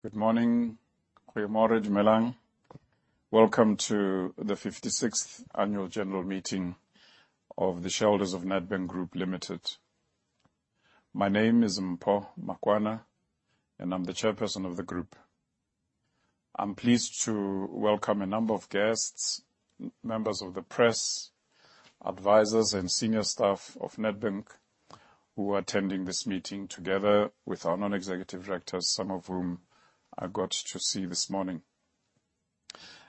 Good morning. Welcome to the 56th annual general meeting of the shareholders of Nedbank Group Limited. My name is Mpho Makwana, I'm the chairperson of the group. I'm pleased to welcome a number of guests, members of the press, advisors, and senior staff of Nedbank who are attending this meeting together with our non-executive directors, some of whom I got to see this morning.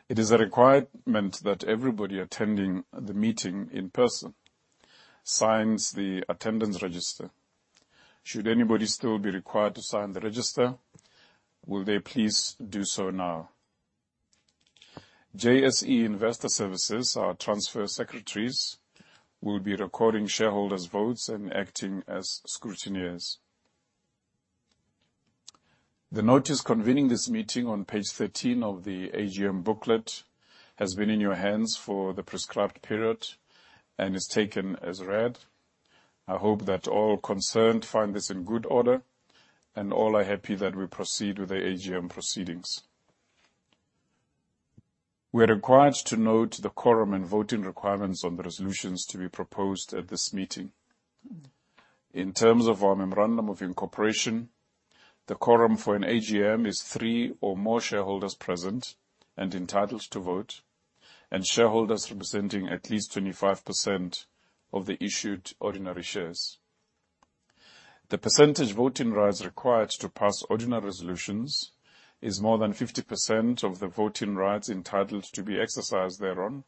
It is a requirement that everybody attending the meeting in person signs the attendance register. Should anybody still be required to sign the register, will they please do so now. JSE Investor Services, our transfer secretaries, will be recording shareholders' votes and acting as scrutineers. The notice convening this meeting on page 13 of the AGM booklet has been in your hands for the prescribed period and is taken as read. I hope that all concerned find this in good order and all are happy that we proceed with the AGM proceedings. We're required to note the quorum and voting requirements on the resolutions to be proposed at this meeting. In terms of our memorandum of incorporation, the quorum for an AGM is three or more shareholders present and entitled to vote, and shareholders representing at least 25% of the issued ordinary shares. The percentage voting rights required to pass ordinary resolutions is more than 50% of the voting rights entitled to be exercised thereon,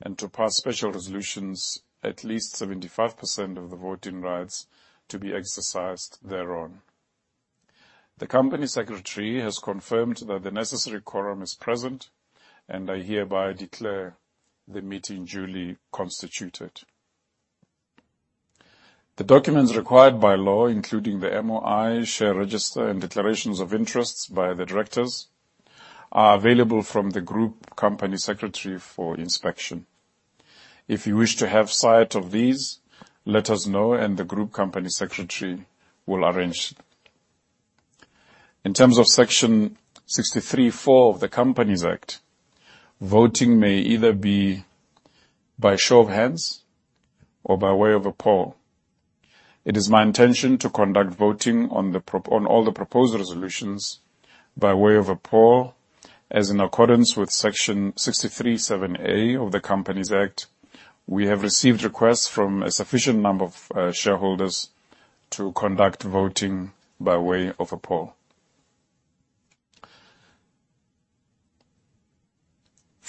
and to pass special resolutions, at least 75% of the voting rights to be exercised thereon. The company secretary has confirmed that the necessary quorum is present, I hereby declare the meeting duly constituted. The documents required by law, including the MOI, share register, and declarations of interests by the directors, are available from the group company secretary for inspection. If you wish to have sight of these, let us know and the group company secretary will arrange. In terms of Section 63 (4) of the Companies Act, voting may either be by a show of hands or by way of a poll. It is my intention to conduct voting on all the proposed resolutions by way of a poll. In accordance with Section 63 (7A) of the Companies Act, we have received requests from a sufficient number of shareholders to conduct voting by way of a poll.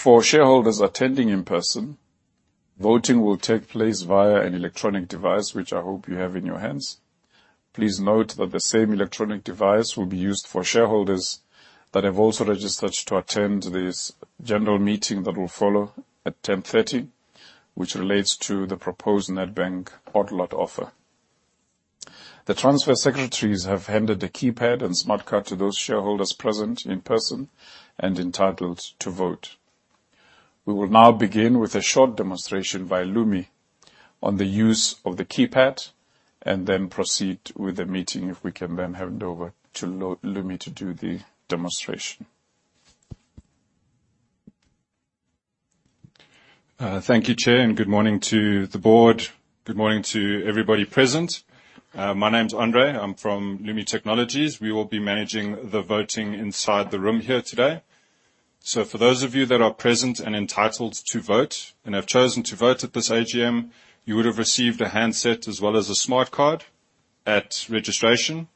For shareholders attending in person, voting will take place via an electronic device, which I hope you have in your hands. Please note that the same electronic device will be used for shareholders that have also registered to attend this general meeting that will follow at 10:30 A.M., which relates to the proposed Nedbank odd lot offer. The transfer secretaries have handed a keypad and smart card to those shareholders present in person and entitled to vote. We will now begin with a short demonstration by Lumi on the use of the keypad then proceed with the meeting. If we can hand over to Lumi to do the demonstration. Thank you, Chair. Good morning to the board. Good morning to everybody present. My name's André. I'm from Lumi Technologies. We will be managing the voting inside the room here today. For those of you that are present and entitled to vote and have chosen to vote at this AGM, you would have received a handset as well as a smart card at registration.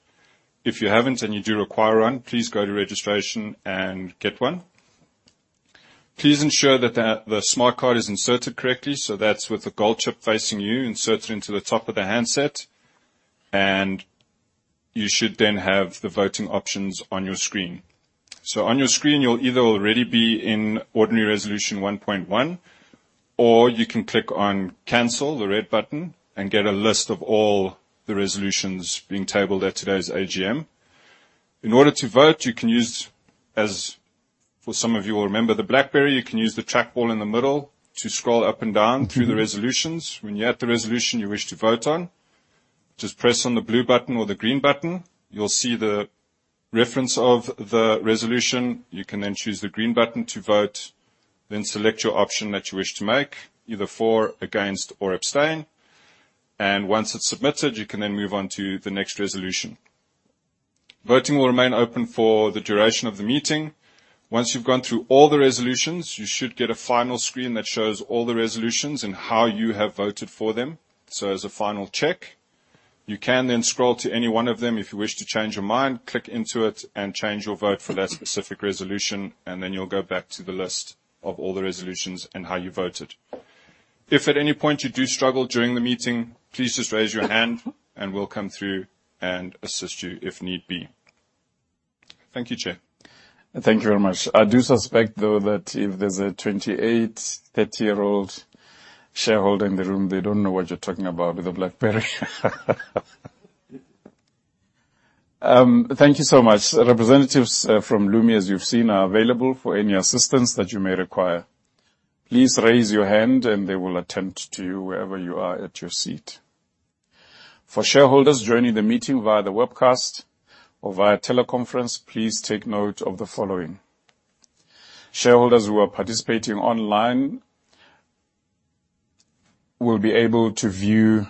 If you haven't and you do require one, please go to registration and get one. Please ensure that the smart card is inserted correctly. That's with the gold chip facing you, inserted into the top of the handset, you should then have the voting options on your screen. On your screen, you'll either already be in ordinary resolution 1.1, you can click on cancel, the red button, and get a list of all the resolutions being tabled at today's AGM. In order to vote, as for some of you will remember the BlackBerry, you can use the trackball in the middle to scroll up and down through the resolutions. When you're at the resolution you wish to vote on, just press on the blue button or the green button. You'll see the reference of the resolution. You can then choose the green button to vote, select your option that you wish to make, either for, against, or abstain. Once it's submitted, you can then move on to the next resolution. Voting will remain open for the duration of the meeting. Once you've gone through all the resolutions, you should get a final screen that shows all the resolutions and how you have voted for them. As a final check. You can scroll to any one of them if you wish to change your mind, click into it and change your vote for that specific resolution, you'll go back to the list of all the resolutions and how you voted. If at any point you do struggle during the meeting, please just raise your hand and we'll come through and assist you if need be. Thank you, Chair. Thank you very much. I do suspect, though, that if there's a 28, 30-year-old shareholder in the room, they don't know what you're talking about with a BlackBerry. Thank you so much. Representatives from Lumi, as you've seen, are available for any assistance that you may require. Please raise your hand and they will attend to you wherever you are at your seat. For shareholders joining the meeting via the webcast or via teleconference, please take note of the following. Shareholders who are participating online will be able to view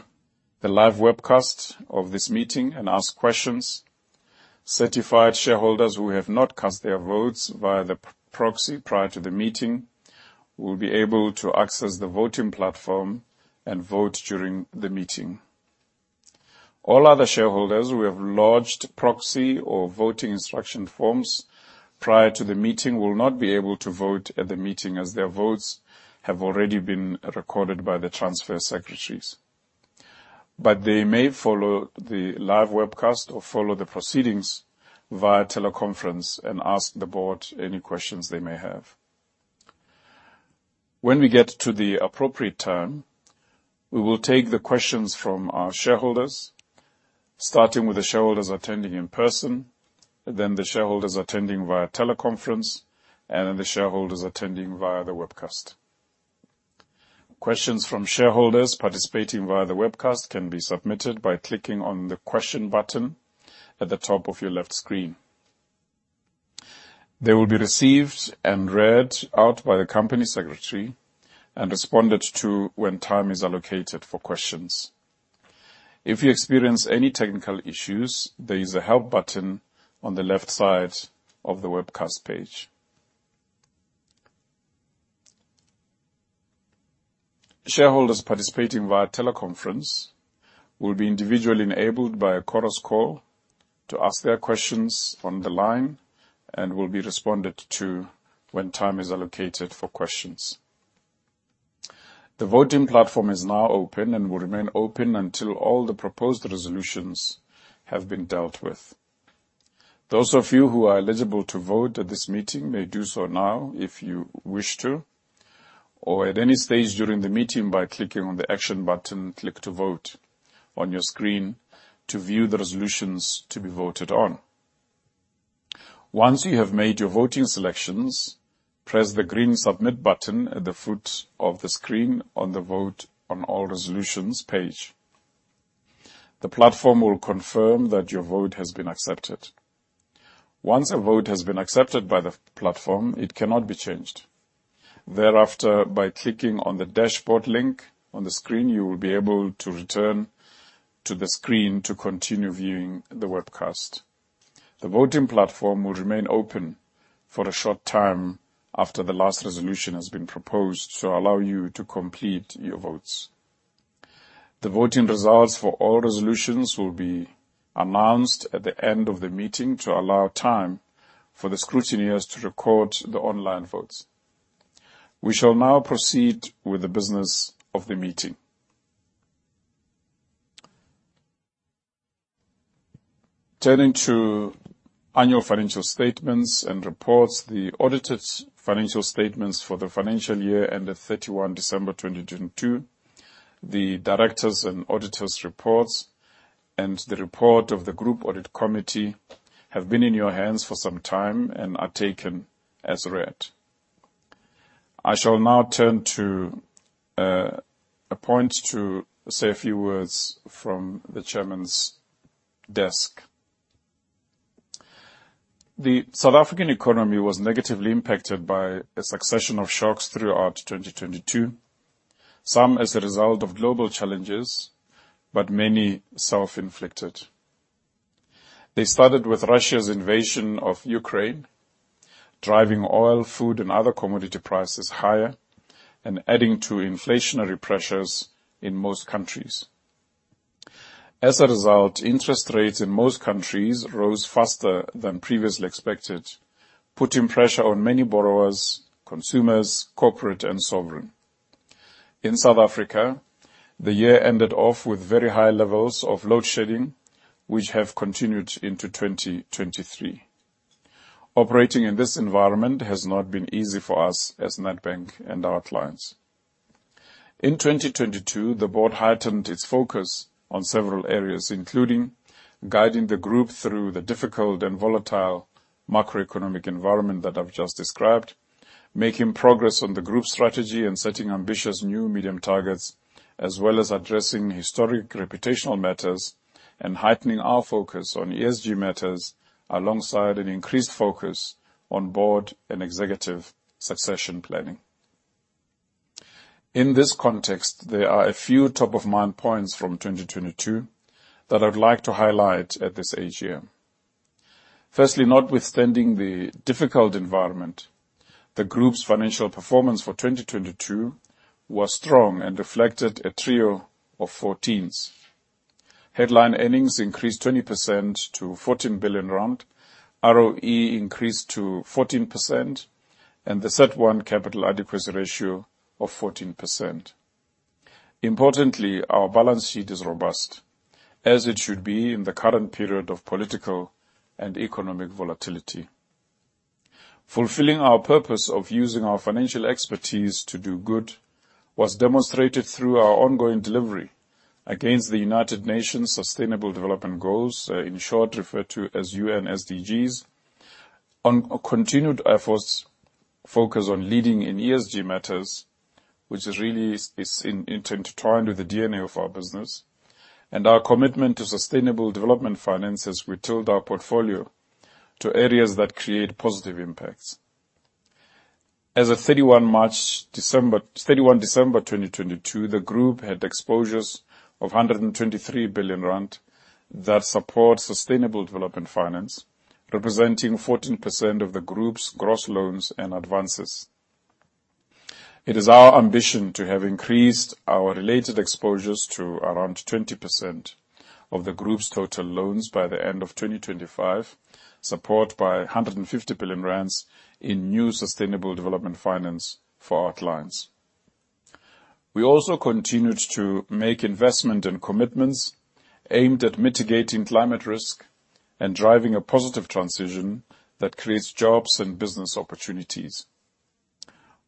the live webcast of this meeting and ask questions. Certified shareholders who have not cast their votes via the proxy prior to the meeting will be able to access the voting platform and vote during the meeting. All other shareholders who have lodged proxy or voting instruction forms prior to the meeting will not be able to vote at the meeting, as their votes have already been recorded by the transfer secretaries. They may follow the live webcast or follow the proceedings via teleconference and ask the board any questions they may have. When we get to the appropriate time, we will take the questions from our shareholders, starting with the shareholders attending in person, then the shareholders attending via teleconference, and then the shareholders attending via the webcast. Questions from shareholders participating via the webcast can be submitted by clicking on the question button at the top of your left screen. They will be received and read out by the company secretary and responded to when time is allocated for questions. If you experience any technical issues, there is a help button on the left side of the webcast page. Shareholders participating via teleconference will be individually enabled by a Chorus Call to ask their questions on the line and will be responded to when time is allocated for questions. The voting platform is now open and will remain open until all the proposed resolutions have been dealt with. Those of you who are eligible to vote at this meeting may do so now if you wish to, or at any stage during the meeting by clicking on the action button, Click to Vote on your screen to view the resolutions to be voted on. Once you have made your voting selections, press the green Submit button at the foot of the screen on the Vote on All Resolutions page. The platform will confirm that your vote has been accepted. Once a vote has been accepted by the platform, it cannot be changed. Thereafter, by clicking on the Dashboard link on the screen, you will be able to return to the screen to continue viewing the webcast. The voting platform will remain open for a short time after the last resolution has been proposed to allow you to complete your votes. The voting results for all resolutions will be announced at the end of the meeting to allow time for the scrutineers to record the online votes. We shall now proceed with the business of the meeting. Turning to annual financial statements and reports, the audited financial statements for the financial year ended 31 December 2022, the directors' and auditors' reports, and the report of the Group Audit Committee have been in your hands for some time and are taken as read. I shall now turn to a point to say a few words from the chairman's desk. The South African economy was negatively impacted by a succession of shocks throughout 2022, some as a result of global challenges, many self-inflicted. They started with Russia's invasion of Ukraine, driving oil, food, and other commodity prices higher and adding to inflationary pressures in most countries. As a result, interest rates in most countries rose faster than previously expected, putting pressure on many borrowers, consumers, corporate, and sovereign. In South Africa, the year ended off with very high levels of load shedding, which have continued into 2023. Operating in this environment has not been easy for us as Nedbank and our clients. In 2022, the board heightened its focus on several areas, including guiding the group through the difficult and volatile macroeconomic environment that I've just described, making progress on the group's strategy and setting ambitious new medium targets, as well as addressing historic reputational matters and heightening our focus on ESG matters alongside an increased focus on board and executive succession planning. In this context, there are a few top-of-mind points from 2022 that I'd like to highlight at this AGM. Firstly, notwithstanding the difficult environment, the group's financial performance for 2022 was strong and reflected a trio of 14s. Headline earnings increased 20% to 14 billion rand, ROE increased to 14%, and the CET1 capital adequacy ratio of 14%. Importantly, our balance sheet is robust, as it should be in the current period of political and economic volatility. Fulfilling our purpose of using our financial expertise to do good was demonstrated through our ongoing delivery against the United Nations Sustainable Development Goals, in short referred to as UN SDGs. On continued efforts focused on leading in ESG matters, which is really intent to tie into the DNA of our business, and our commitment to sustainable development finance as we tilt our portfolio to areas that create positive impacts. As of 31 December 2022, the group had exposures of 123 billion rand that support sustainable development finance, representing 14% of the group's gross loans and advances. It is our ambition to have increased our related exposures to around 20% of the group's total loans by the end of 2025, support by 150 billion rand in new sustainable development finance for our clients. We also continued to make investment and commitments aimed at mitigating climate risk and driving a positive transition that creates jobs and business opportunities.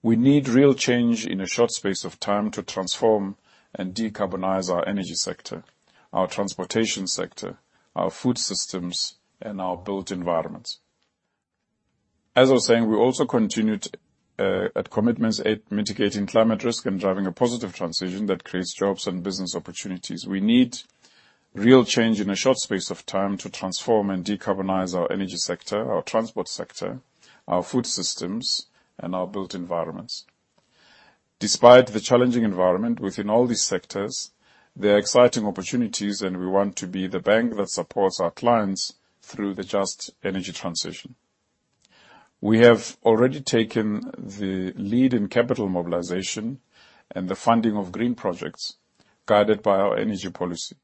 We need real change in a short space of time to transform and decarbonize our energy sector, our transportation sector, our food systems, and our built environments. As I was saying, we also continued at commitments at mitigating climate risk and driving a positive transition that creates jobs and business opportunities. We need real change in a short space of time to transform and decarbonize our energy sector, our transport sector, our food systems, and our built environments. Despite the challenging environment within all these sectors, there are exciting opportunities, and we want to be the bank that supports our clients through the Just Energy Transition. We have already taken the lead in capital mobilization and the funding of green projects guided by our energy policy.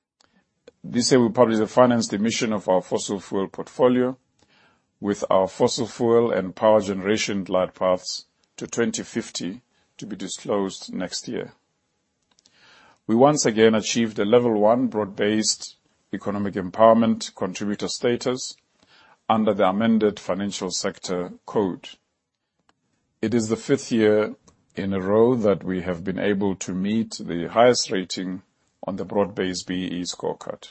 This year we published the finance emission of our fossil fuel portfolio with our fossil fuel and power generation glide paths to 2050 to be disclosed next year. We once again achieved a level 1 broad-based economic empowerment contributor status under the amended financial sector code. It is the fifth year in a row that we have been able to meet the highest rating on the broad-based BEE scorecard.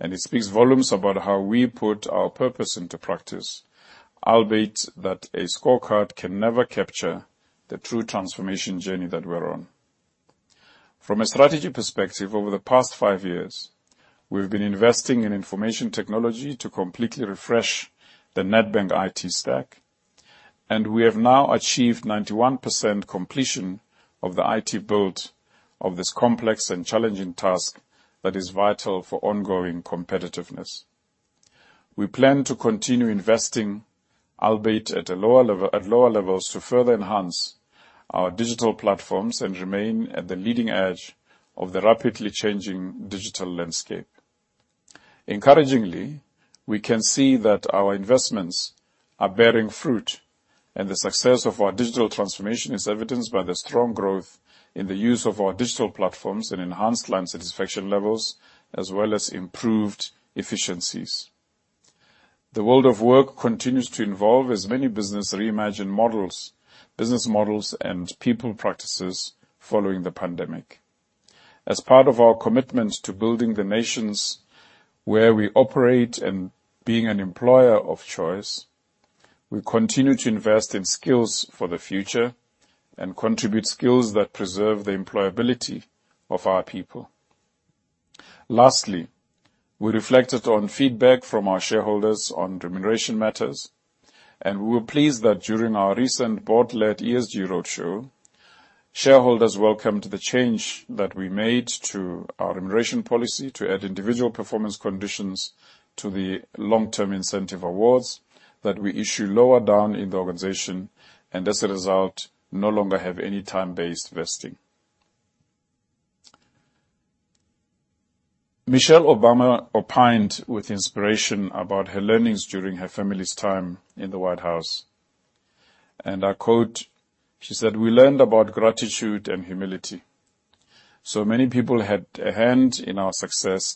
It speaks volumes about how we put our purpose into practice, albeit that a scorecard can never capture the true transformation journey that we're on. From a strategy perspective, over the past five years, we've been investing in information technology to completely refresh the Nedbank IT stack, and we have now achieved 91% completion of the IT build of this complex and challenging task that is vital for ongoing competitiveness. We plan to continue investing, albeit at lower levels, to further enhance our digital platforms and remain at the leading edge of the rapidly changing digital landscape. Encouragingly, we can see that our investments are bearing fruit, and the success of our digital transformation is evidenced by the strong growth in the use of our digital platforms and enhanced client satisfaction levels, as well as improved efficiencies. The world of work continues to evolve as many businesses reimagine business models and people practices following the pandemic. As part of our commitment to building the nations where we operate and being an employer of choice, we continue to invest in skills for the future and contribute skills that preserve the employability of our people. Lastly, we reflected on feedback from our shareholders on remuneration matters, and we were pleased that during our recent board-led ESG roadshow, shareholders welcomed the change that we made to our remuneration policy to add individual performance conditions to the long-term incentive awards that we issue lower down in the organization, and as a result, no longer have any time-based vesting. Michelle Obama opined with inspiration about her learnings during her family's time in the White House. I quote, she said, "We learned about gratitude and humility. Many people had a hand in our success."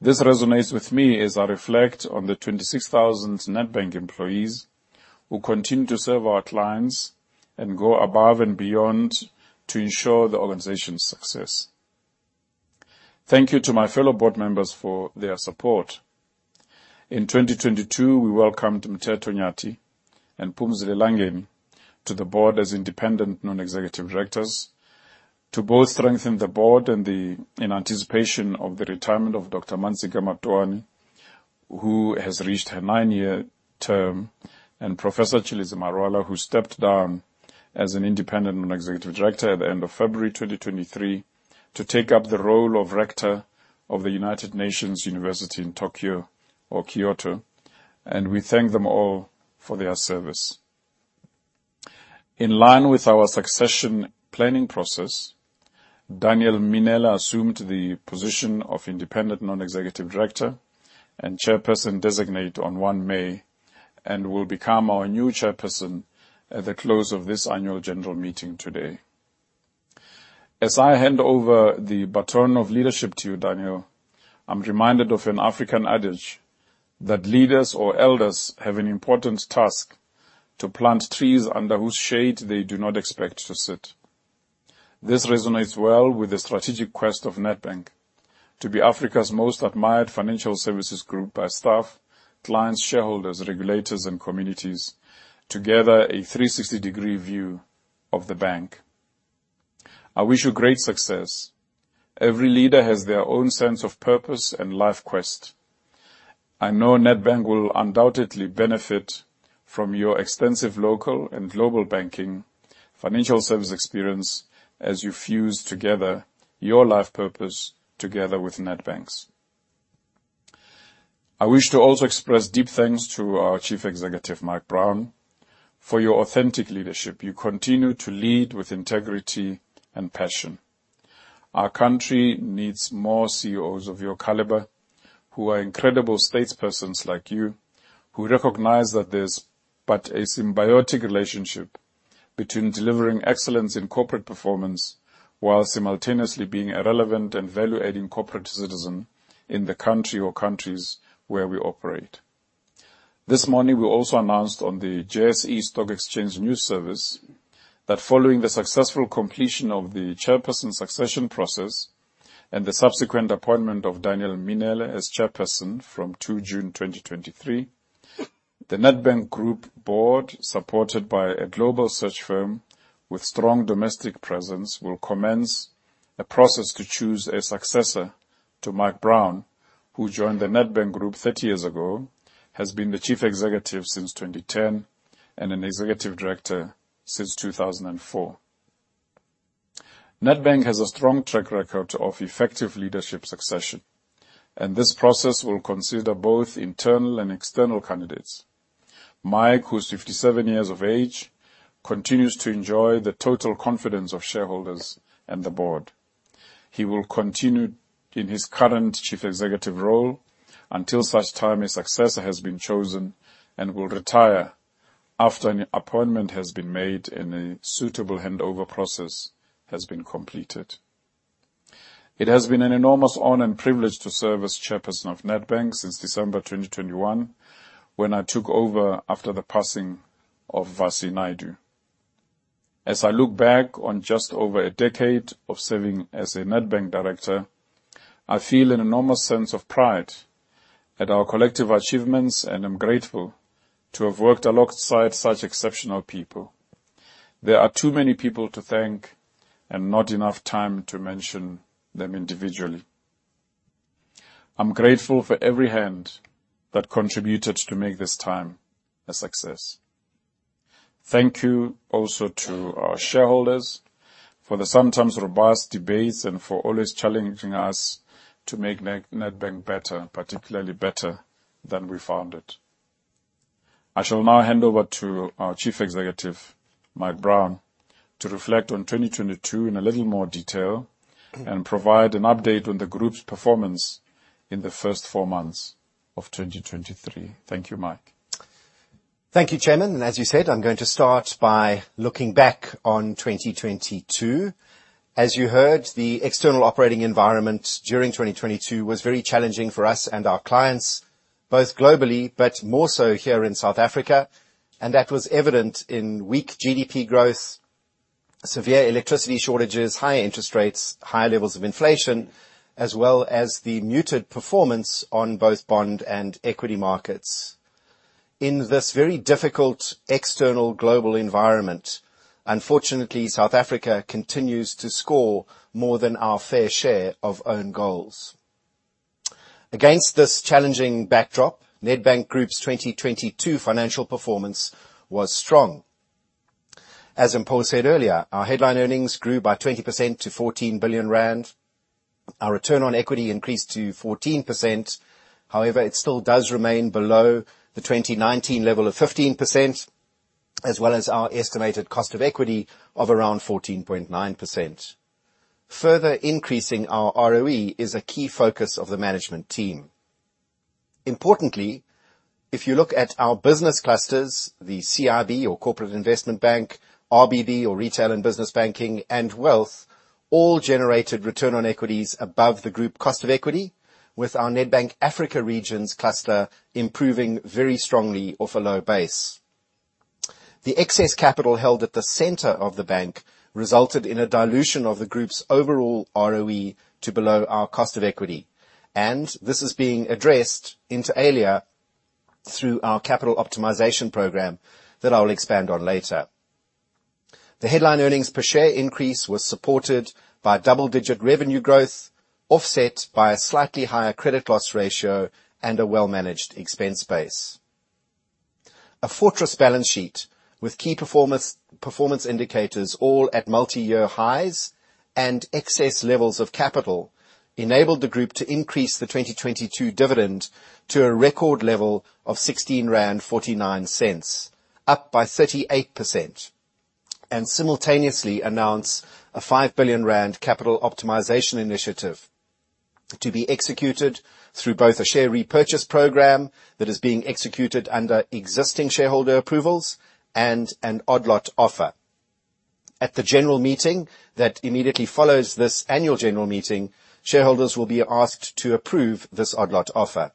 This resonates with me as I reflect on the 26,000 Nedbank employees who continue to serve our clients and go above and beyond to ensure the organization's success. Thank you to my fellow board members for their support. In 2022, we welcomed Mteto Nyati and Phumzile Langeni to the board as independent non-executive directors to both strengthen the board and in anticipation of the retirement of Dr. Mpho Mashoane, who has reached her nine-year term, and Professor Tshilidzi Marwala, who stepped down as an independent non-executive director at the end of February 2023 to take up the role of Rector of the United Nations University in Tokyo or Kyoto. We thank them all for their service. In line with our succession planning process, Daniel Mminele assumed the position of independent non-executive director and chairperson designate on 1 May and will become our new chairperson at the close of this annual general meeting today. As I hand over the baton of leadership to you, Daniel, I'm reminded of an African adage that leaders or elders have an important task to plant trees under whose shade they do not expect to sit. This resonates well with the strategic quest of Nedbank to be Africa's most admired financial services group by staff, clients, shareholders, regulators, and communities. Together, a 360-degree view of the bank. I wish you great success. Every leader has their own sense of purpose and life quest. I know Nedbank will undoubtedly benefit from your extensive local and global banking financial service experience as you fuse together your life purpose together with Nedbank's. I wish to also express deep thanks to our Chief Executive, Mike Brown, for your authentic leadership. You continue to lead with integrity and passion. Our country needs more CEOs of your caliber who are incredible statespersons like you, who recognize that there is but a symbiotic relationship between delivering excellence in corporate performance while simultaneously being a relevant and value-adding corporate citizen in the country or countries where we operate. This morning, we also announced on the JSE Stock Exchange News Service that following the successful completion of the Chairperson succession process and the subsequent appointment of Daniel Mminele as Chairperson from 2 June 2023, the Nedbank Group Board, supported by a global search firm with strong domestic presence, will commence a process to choose a successor to Mike Brown, who joined the Nedbank Group 30 years ago, has been the Chief Executive since 2010, and an Executive Director since 2004. Nedbank has a strong track record of effective leadership succession, and this process will consider both internal and external candidates. Mike, who is 57 years of age, continues to enjoy the total confidence of shareholders and the Board. He will continue in his current Chief Executive role until such time his successor has been chosen and will retire after an appointment has been made and a suitable handover process has been completed. It has been an enormous honor and privilege to serve as Chairperson of Nedbank since December 2021, when I took over after the passing of Vassi Naidoo. As I look back on just over a decade of serving as a Nedbank Director, I feel an enormous sense of pride at our collective achievements, and I am grateful to have worked alongside such exceptional people. There are too many people to thank and not enough time to mention them individually. I am grateful for every hand that contributed to make this time a success. Thank you also to our shareholders for the sometimes robust debates and for always challenging us to make Nedbank better, particularly better than we found it. I shall now hand over to our Chief Executive, Mike Brown, to reflect on 2022 in a little more detail and provide an update on the Group's performance in the first four months of 2023. Thank you, Mike. Thank you, Chairman. As you said, I am going to start by looking back on 2022. As you heard, the external operating environment during 2022 was very challenging for us and our clients, both globally, but more so here in South Africa, and that was evident in weak GDP growth, severe electricity shortages, high interest rates, high levels of inflation, as well as the muted performance on both bond and equity markets. In this very difficult external global environment, unfortunately, South Africa continues to score more than our fair share of own goals. Against this challenging backdrop, Nedbank Group's 2022 financial performance was strong. As Mpho said earlier, our headline earnings grew by 20% to 14 billion rand. Our return on equity increased to 14%. However, it still does remain below the 2019 level of 15%, as well as our estimated cost of equity of around 14.9%. Further increasing our ROE is a key focus of the management team. Importantly, if you look at our business clusters, the CIB or Corporate Investment Bank, RBB or Retail and Business Banking, and Wealth all generated return on equities above the group cost of equity with our Nedbank Africa Regions cluster improving very strongly off a low base. The excess capital held at the center of the bank resulted in a dilution of the group's overall ROE to below our cost of equity. This is being addressed inter alia through our capital optimization program that I will expand on later. The headline earnings per share increase was supported by double-digit revenue growth offset by a slightly higher credit loss ratio and a well-managed expense base. A fortress balance sheet with key performance indicators all at multiyear highs and excess levels of capital enabled the group to increase the 2022 dividend to a record level of 16.49 rand, up by 38%, and simultaneously announce a 5 billion rand capital optimization initiative to be executed through both a share repurchase program that is being executed under existing shareholder approvals and an odd lot offer. At the general meeting that immediately follows this annual general meeting, shareholders will be asked to approve this odd lot offer.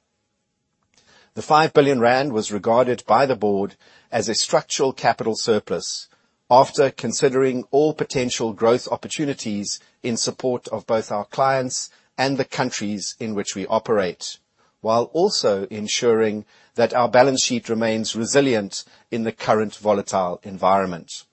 The 5 billion rand was regarded by the board as a structural capital surplus after considering all potential growth opportunities in support of both our clients and the countries in which we operate, while also ensuring that our balance sheet remains resilient in the current volatile environment.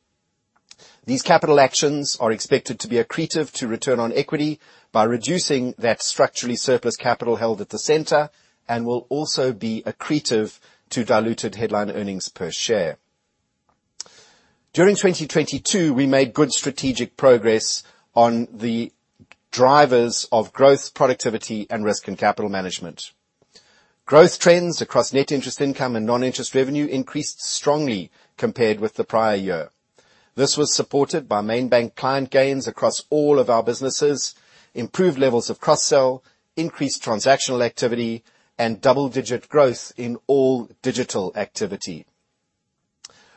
These capital actions are expected to be accretive to return on equity by reducing that structurally surplus capital held at the center, and will also be accretive to diluted headline earnings per share. During 2022, we made good strategic progress on the drivers of growth, productivity, and risk and capital management. Growth trends across net interest income and non-interest revenue increased strongly compared with the prior year. This was supported by Main Bank client gains across all of our businesses, improved levels of cross-sell, increased transactional activity, and double-digit growth in all digital activity.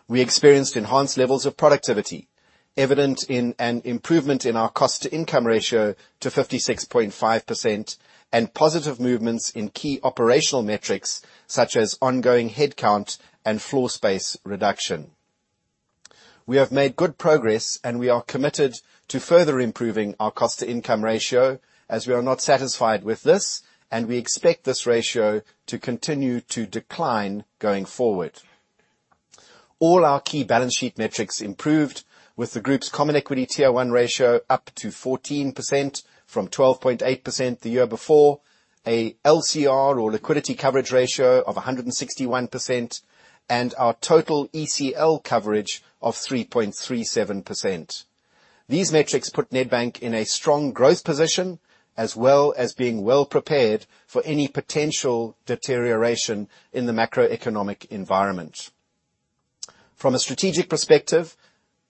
We experienced enhanced levels of productivity, evident in an improvement in our cost-to-income ratio to 56.5%, and positive movements in key operational metrics such as ongoing headcount and floor space reduction. We have made good progress, we are committed to further improving our cost-to-income ratio, as we are not satisfied with this, we expect this ratio to continue to decline going forward. All our key balance sheet metrics improved with the group's common equity Tier 1 ratio up to 14% from 12.8% the year before, a LCR or liquidity coverage ratio of 161%, and our total ECL coverage of 3.37%. These metrics put Nedbank in a strong growth position, as well as being well prepared for any potential deterioration in the macroeconomic environment. From a strategic perspective,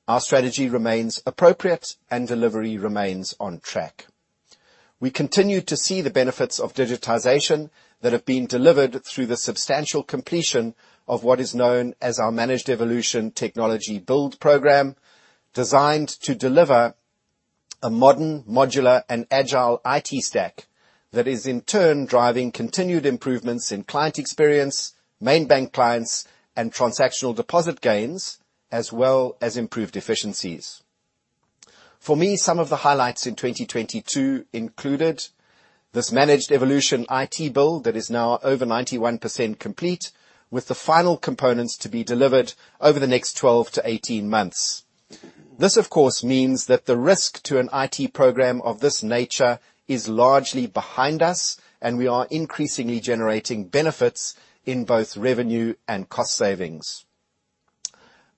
our strategy remains appropriate and delivery remains on track. We continue to see the benefits of digitization that have been delivered through the substantial completion of what is known as our Managed Evolution technology build program, designed to deliver a modern, modular, and agile IT stack that is in turn driving continued improvements in client experience, Main Bank clients, and transactional deposit gains, as well as improved efficiencies. For me, some of the highlights in 2022 included this Managed Evolution IT build that is now over 91% complete, with the final components to be delivered over the next 12 to 18 months. This, of course, means that the risk to an IT program of this nature is largely behind us, and we are increasingly generating benefits in both revenue and cost savings.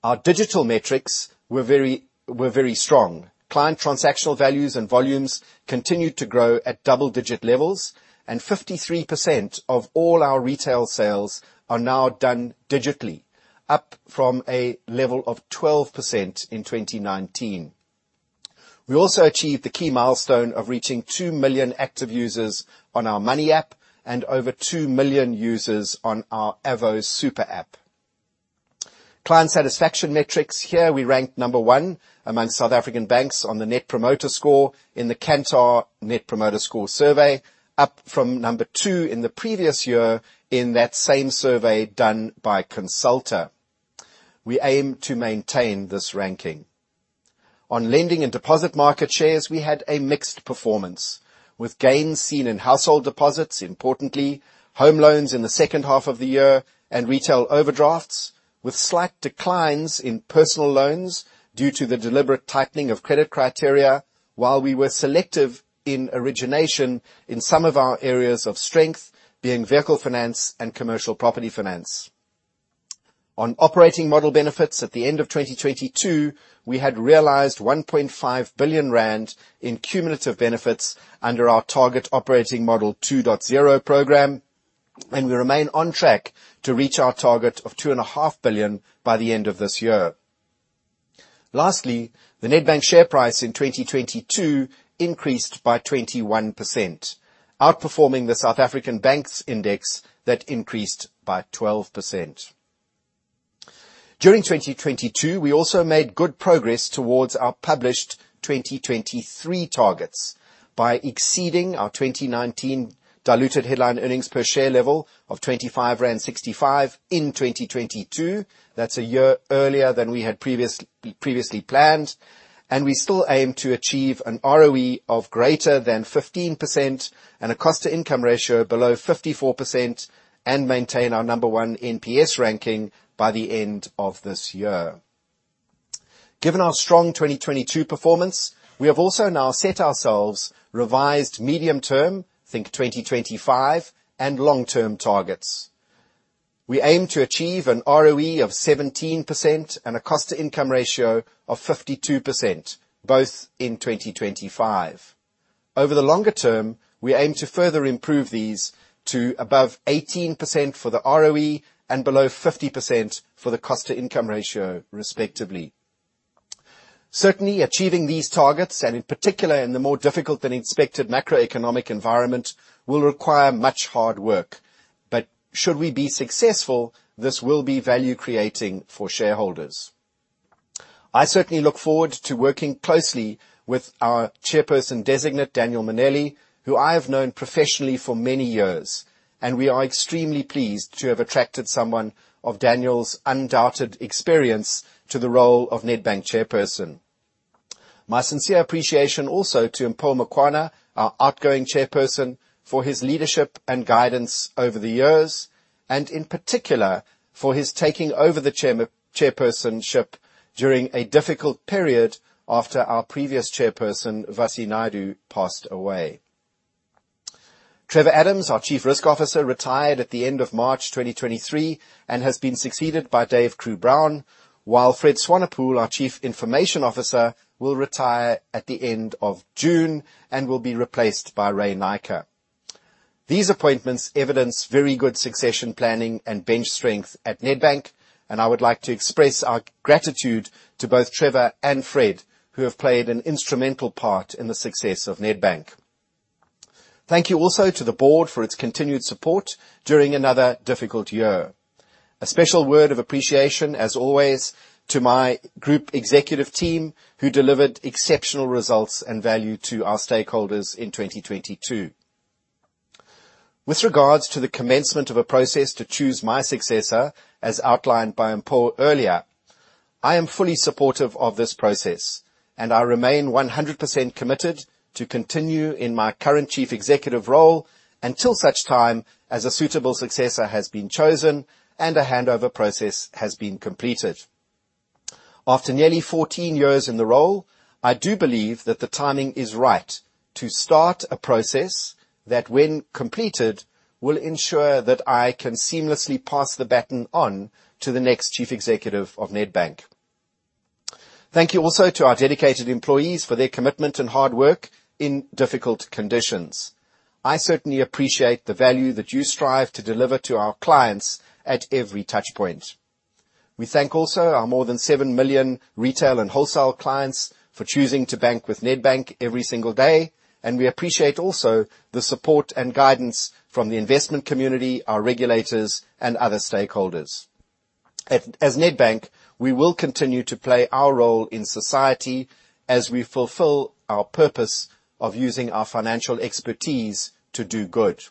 Our digital metrics were very strong. Client transactional values and volumes continued to grow at double-digit levels. 53% of all our retail sales are now done digitally, up from a level of 12% in 2019. We also achieved the key milestone of reaching 2 million active users on our Money app and over 2 million users on our Avo SuperShop. Client satisfaction metrics. Here we ranked number one among South African banks on the Net Promoter Score in the Kantar Net Promoter Score survey, up from number two in the previous year in that same survey done by Consulta. We aim to maintain this ranking. On lending and deposit market shares, we had a mixed performance with gains seen in household deposits, importantly, home loans in the second half of the year, and retail overdrafts, with slight declines in personal loans due to the deliberate tightening of credit criteria while we were selective in origination in some of our areas of strength being vehicle finance and commercial property finance. On operating model benefits at the end of 2022, we had realized 1.5 billion rand in cumulative benefits under our Target Operating Model 2.0 program, and we remain on track to reach our target of 2.5 billion by the end of this year. Lastly, the Nedbank share price in 2022 increased by 21%, outperforming the FTSE/JSE SA Banks Index that increased by 12%. During 2022, we also made good progress towards our published 2023 targets by exceeding our 2019 diluted headline earnings per share level of 25.65 rand in 2022. That's a year earlier than we had previously planned. We still aim to achieve an ROE of greater than 15% and a cost-to-income ratio below 54% and maintain our number one NPS ranking by the end of this year. Given our strong 2022 performance, we have also now set ourselves revised medium term, think 2025, and long-term targets. We aim to achieve an ROE of 17% and a cost-to-income ratio of 52%, both in 2025. Over the longer term, we aim to further improve these to above 18% for the ROE and below 50% for the cost-to-income ratio respectively. Certainly, achieving these targets, and in particular in the more difficult-than-expected macroeconomic environment, will require much hard work. Should we be successful, this will be value creating for shareholders. I certainly look forward to working closely with our Chairperson Designate, Daniel Mminele, who I have known professionally for many years, and we are extremely pleased to have attracted someone of Daniel's undoubted experience to the role of Nedbank Chairperson. My sincere appreciation also to Mpho Makwana, our Outgoing Chairperson, for his leadership and guidance over the years, and in particular for his taking over the chairpersonship during a difficult period after our Previous Chairperson, Vassi Naidoo, passed away. Trevor Adams, our Chief Risk Officer, retired at the end of March 2023 and has been succeeded by Dave Crewe-Brown, while Fred Swanepoel, our Chief Information Officer, will retire at the end of June and will be replaced by Ray Naicker. These appointments evidence very good succession planning and bench strength at Nedbank. I would like to express our gratitude to both Trevor and Fred, who have played an instrumental part in the success of Nedbank. Thank you also to the Board for its continued support during another difficult year. A special word of appreciation, as always, to my Group Executive Team, who delivered exceptional results and value to our stakeholders in 2022. With regards to the commencement of a process to choose my successor, as outlined by Mpho earlier, I am fully supportive of this process and I remain 100% committed to continue in my current Chief Executive role until such time as a suitable successor has been chosen and a handover process has been completed. After nearly 14 years in the role, I do believe that the timing is right to start a process that, when completed, will ensure that I can seamlessly pass the baton on to the next Chief Executive of Nedbank. Thank you also to our dedicated employees for their commitment and hard work in difficult conditions. I certainly appreciate the value that you strive to deliver to our clients at every touchpoint. We thank also our more than 7 million retail and wholesale clients for choosing to bank with Nedbank every single day. We appreciate also the support and guidance from the investment community, our regulators, and other stakeholders. As Nedbank, we will continue to play our role in society as we fulfill our purpose of using our financial expertise to do good.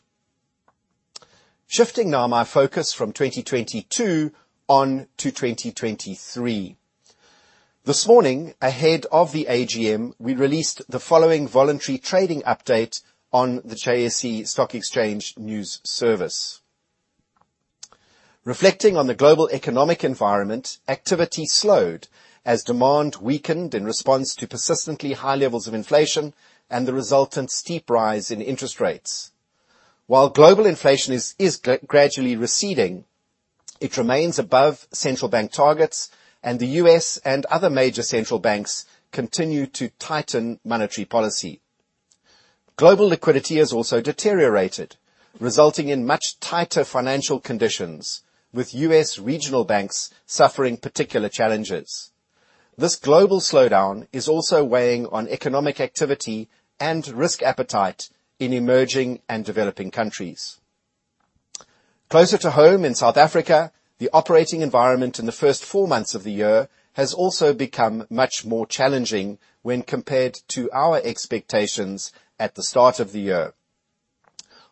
Shifting now my focus from 2022 on to 2023. This morning, ahead of the AGM, we released the following voluntary trading update on the JSE Stock Exchange News Service. Reflecting on the global economic environment, activity slowed as demand weakened in response to persistently high levels of inflation and the resultant steep rise in interest rates. While global inflation is gradually receding, it remains above central bank targets and the U.S. and other major central banks continue to tighten monetary policy. Global liquidity has also deteriorated, resulting in much tighter financial conditions, with U.S. regional banks suffering particular challenges. This global slowdown is also weighing on economic activity and risk appetite in emerging and developing countries. Closer to home in South Africa, the operating environment in the first four months of the year has also become much more challenging when compared to our expectations at the start of the year.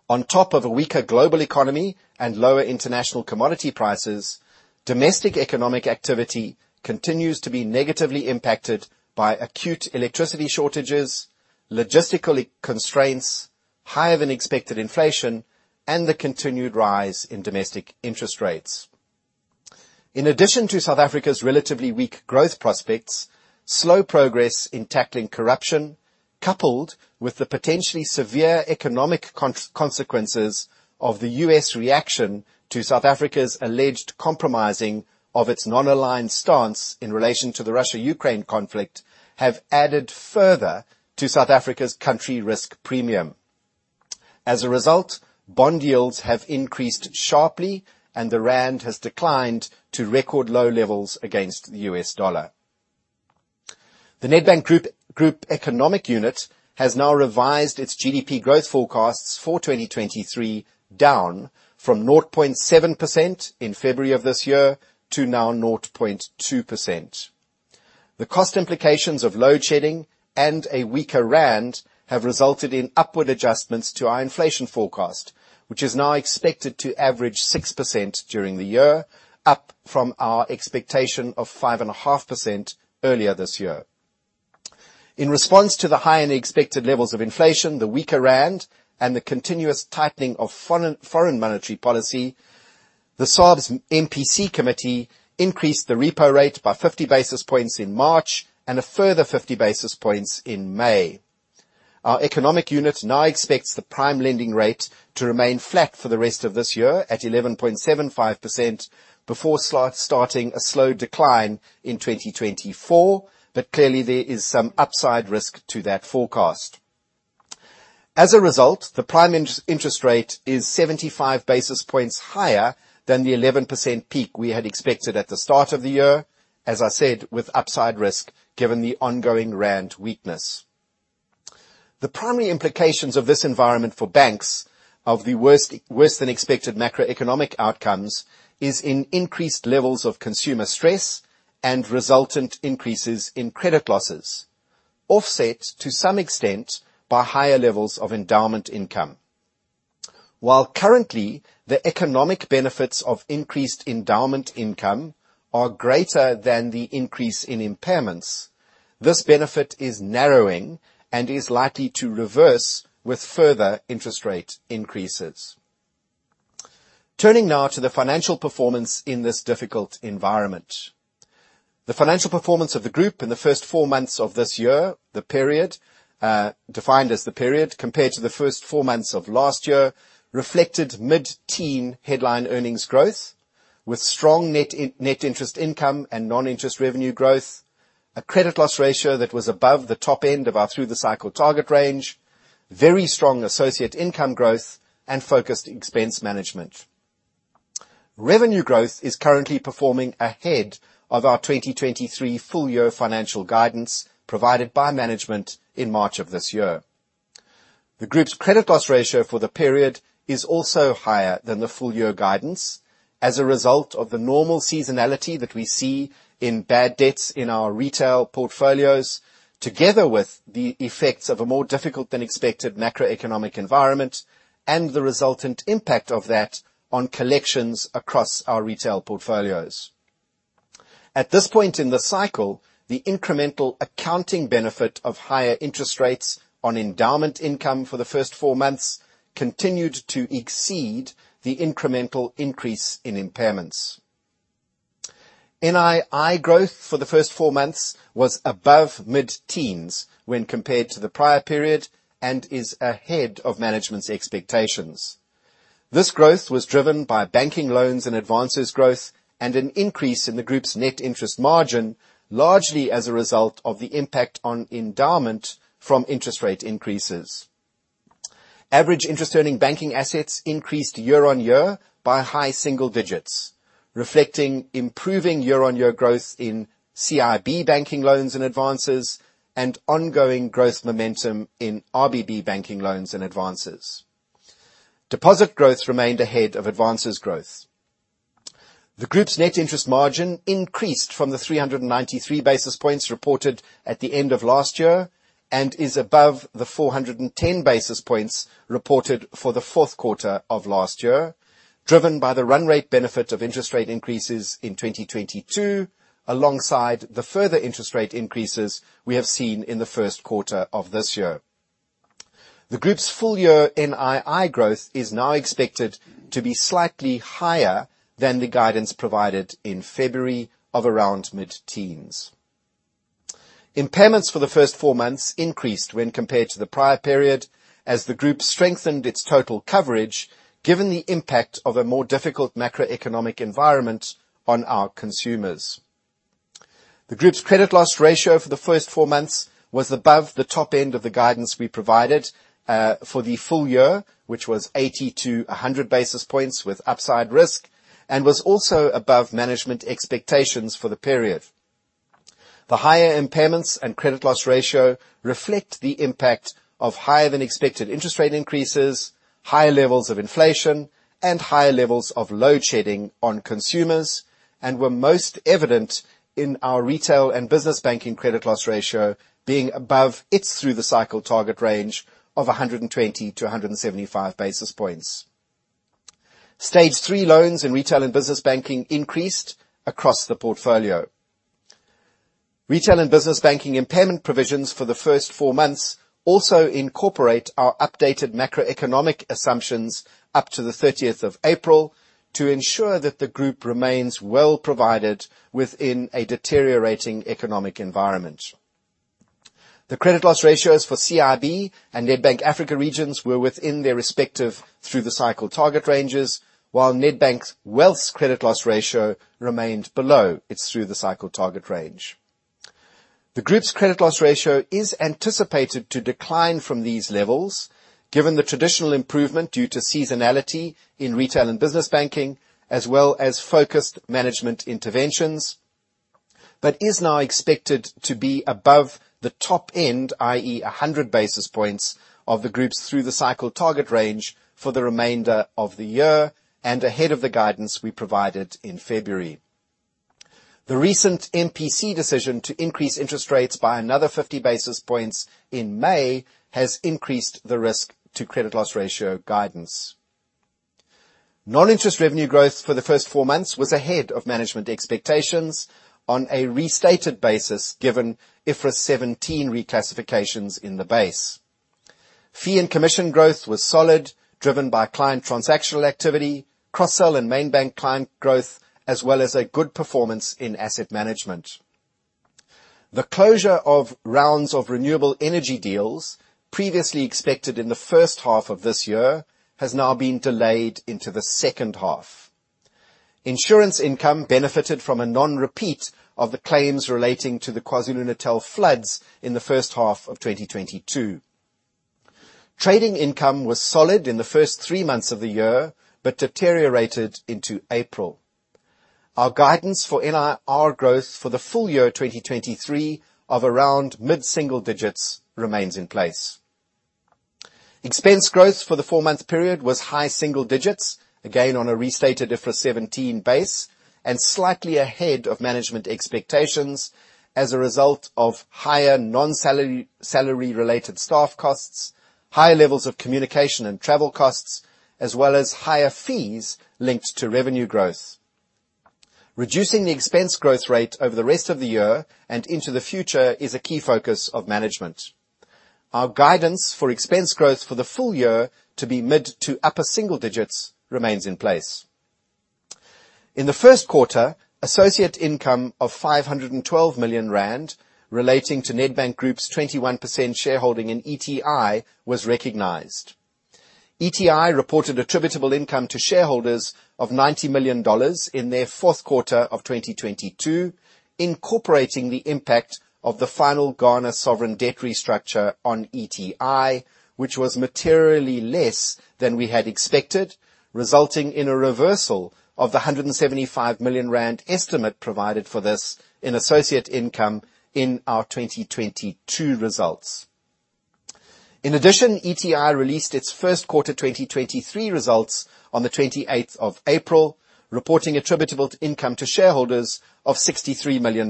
On top of a weaker global economy and lower international commodity prices, domestic economic activity continues to be negatively impacted by acute electricity shortages, logistical constraints, higher than expected inflation, and the continued rise in domestic interest rates. In addition to South Africa's relatively weak growth prospects, slow progress in tackling corruption, coupled with the potentially severe economic consequences of the U.S. reaction to South Africa's alleged compromising of its non-aligned stance in relation to the Russia-Ukraine conflict, have added further to South Africa's country risk premium. As a result, bond yields have increased sharply and the rand has declined to record low levels against the U.S. dollar. The Nedbank Group economic unit has now revised its GDP growth forecasts for 2023, down from 0.7% in February of this year to now 0.2%. The cost implications of load shedding and a weaker rand have resulted in upward adjustments to our inflation forecast, which is now expected to average 6% during the year, up from our expectation of 5.5% earlier this year. In response to the higher than expected levels of inflation, the weaker rand, and the continuous tightening of foreign monetary policy, the SARB MPC committee increased the repo rate by 50 basis points in March and a further 50 basis points in May. Our economic unit now expects the prime lending rate to remain flat for the rest of this year at 11.75% before starting a slow decline in 2024. Clearly, there is some upside risk to that forecast. As a result, the prime interest rate is 75 basis points higher than the 11% peak we had expected at the start of the year. As I said, with upside risk, given the ongoing rand weakness. The primary implications of this environment for banks of the worse than expected macroeconomic outcomes is in increased levels of consumer stress and resultant increases in credit losses, offset to some extent by higher levels of endowment income. While currently, the economic benefits of increased endowment income are greater than the increase in impairments, this benefit is narrowing and is likely to reverse with further interest rate increases. Turning now to the financial performance in this difficult environment. The financial performance of the group in the first four months of this year, defined as the period compared to the first four months of last year, reflected mid-teen headline earnings growth with strong net interest income and non-interest revenue growth, a credit loss ratio that was above the top end of our through-the-cycle target range, very strong associate income growth, and focused expense management. Revenue growth is currently performing ahead of our 2023 full year financial guidance provided by management in March of this year. The group's credit loss ratio for the period is also higher than the full year guidance as a result of the normal seasonality that we see in bad debts in our retail portfolios, together with the effects of a more difficult than expected macroeconomic environment, and the resultant impact of that on collections across our retail portfolios. At this point in the cycle, the incremental accounting benefit of higher interest rates on endowment income for the first four months continued to exceed the incremental increase in impairments. NII growth for the first four months was above mid-teens when compared to the prior period, and is ahead of management's expectations. This growth was driven by banking loans and advances growth and an increase in the group's net interest margin, largely as a result of the impact on endowment from interest rate increases. Average interest earning banking assets increased year-on-year by high single digits, reflecting improving year-on-year growth in CIB banking loans and advances and ongoing growth momentum in RBB banking loans and advances. Deposit growth remained ahead of advances growth. The group's net interest margin increased from the 393 basis points reported at the end of last year, and is above the 410 basis points reported for the fourth quarter of last year, driven by the run rate benefit of interest rate increases in 2022, alongside the further interest rate increases we have seen in the first quarter of this year. The group's full year NII growth is now expected to be slightly higher than the guidance provided in February of around mid-teens. Impairments for the first four months increased when compared to the prior period as the group strengthened its total coverage, given the impact of a more difficult macroeconomic environment on our consumers. The group's credit loss ratio for the first four months was above the top end of the guidance we provided for the full year, which was 80-100 basis points with upside risk, and was also above management expectations for the period. The higher impairments and credit loss ratio reflect the impact of higher than expected interest rate increases, higher levels of inflation, and higher levels of load shedding on consumers, and were most evident in our retail and business banking credit loss ratio being above its through-the-cycle target range of 120-175 basis points. Stage 3 loans in retail and business banking increased across the portfolio. Retail and business banking impairment provisions for the first four months also incorporate our updated macroeconomic assumptions up to the 30th of April, to ensure that the group remains well provided within a deteriorating economic environment. The credit loss ratios for CIB and Nedbank Africa Regions were within their respective through-the-cycle target ranges, while Nedbank Wealth credit loss ratio remained below its through-the-cycle target range. The group's credit loss ratio is anticipated to decline from these levels, given the traditional improvement due to seasonality in retail and business banking, as well as focused management interventions, but is now expected to be above the top end, i.e., 100 basis points, of the groups through-the-cycle target range for the remainder of the year and ahead of the guidance we provided in February. The recent MPC decision to increase interest rates by another 50 basis points in May has increased the risk to credit loss ratio guidance. Non-interest revenue growth for the first four months was ahead of management expectations on a restated basis given IFRS 17 reclassifications in the base. Fee and commission growth was solid, driven by client transactional activity, cross-sell and main bank client growth, as well as a good performance in asset management. The closure of rounds of renewable energy deals previously expected in the first half of this year has now been delayed into the second half. Insurance income benefited from a non-repeat of the claims relating to the KwaZulu-Natal floods in the first half of 2022. Trading income was solid in the first three months of the year, but deteriorated into April. Our guidance for NIR growth for the full year 2023 of around mid-single digits remains in place. Expense growth for the four-month period was high single digits, again on a restated IFRS 17 base, and slightly ahead of management expectations as a result of higher non-salary related staff costs, higher levels of communication and travel costs, as well as higher fees linked to revenue growth. Reducing the expense growth rate over the rest of the year and into the future is a key focus of management. Our guidance for expense growth for the full year to be mid to upper single digits remains in place. In the first quarter, associate income of 512 million rand relating to Nedbank Group's 21% shareholding in ETI was recognized. ETI reported attributable income to shareholders of $90 million in their fourth quarter of 2022, incorporating the impact of the final Ghana sovereign debt restructure on ETI, which was materially less than we had expected, resulting in a reversal of the 175 million rand estimate provided for this in associate income in our 2022 results. In addition, ETI released its first quarter 2023 results on the 28th of April, reporting attributable income to shareholders of $63 million,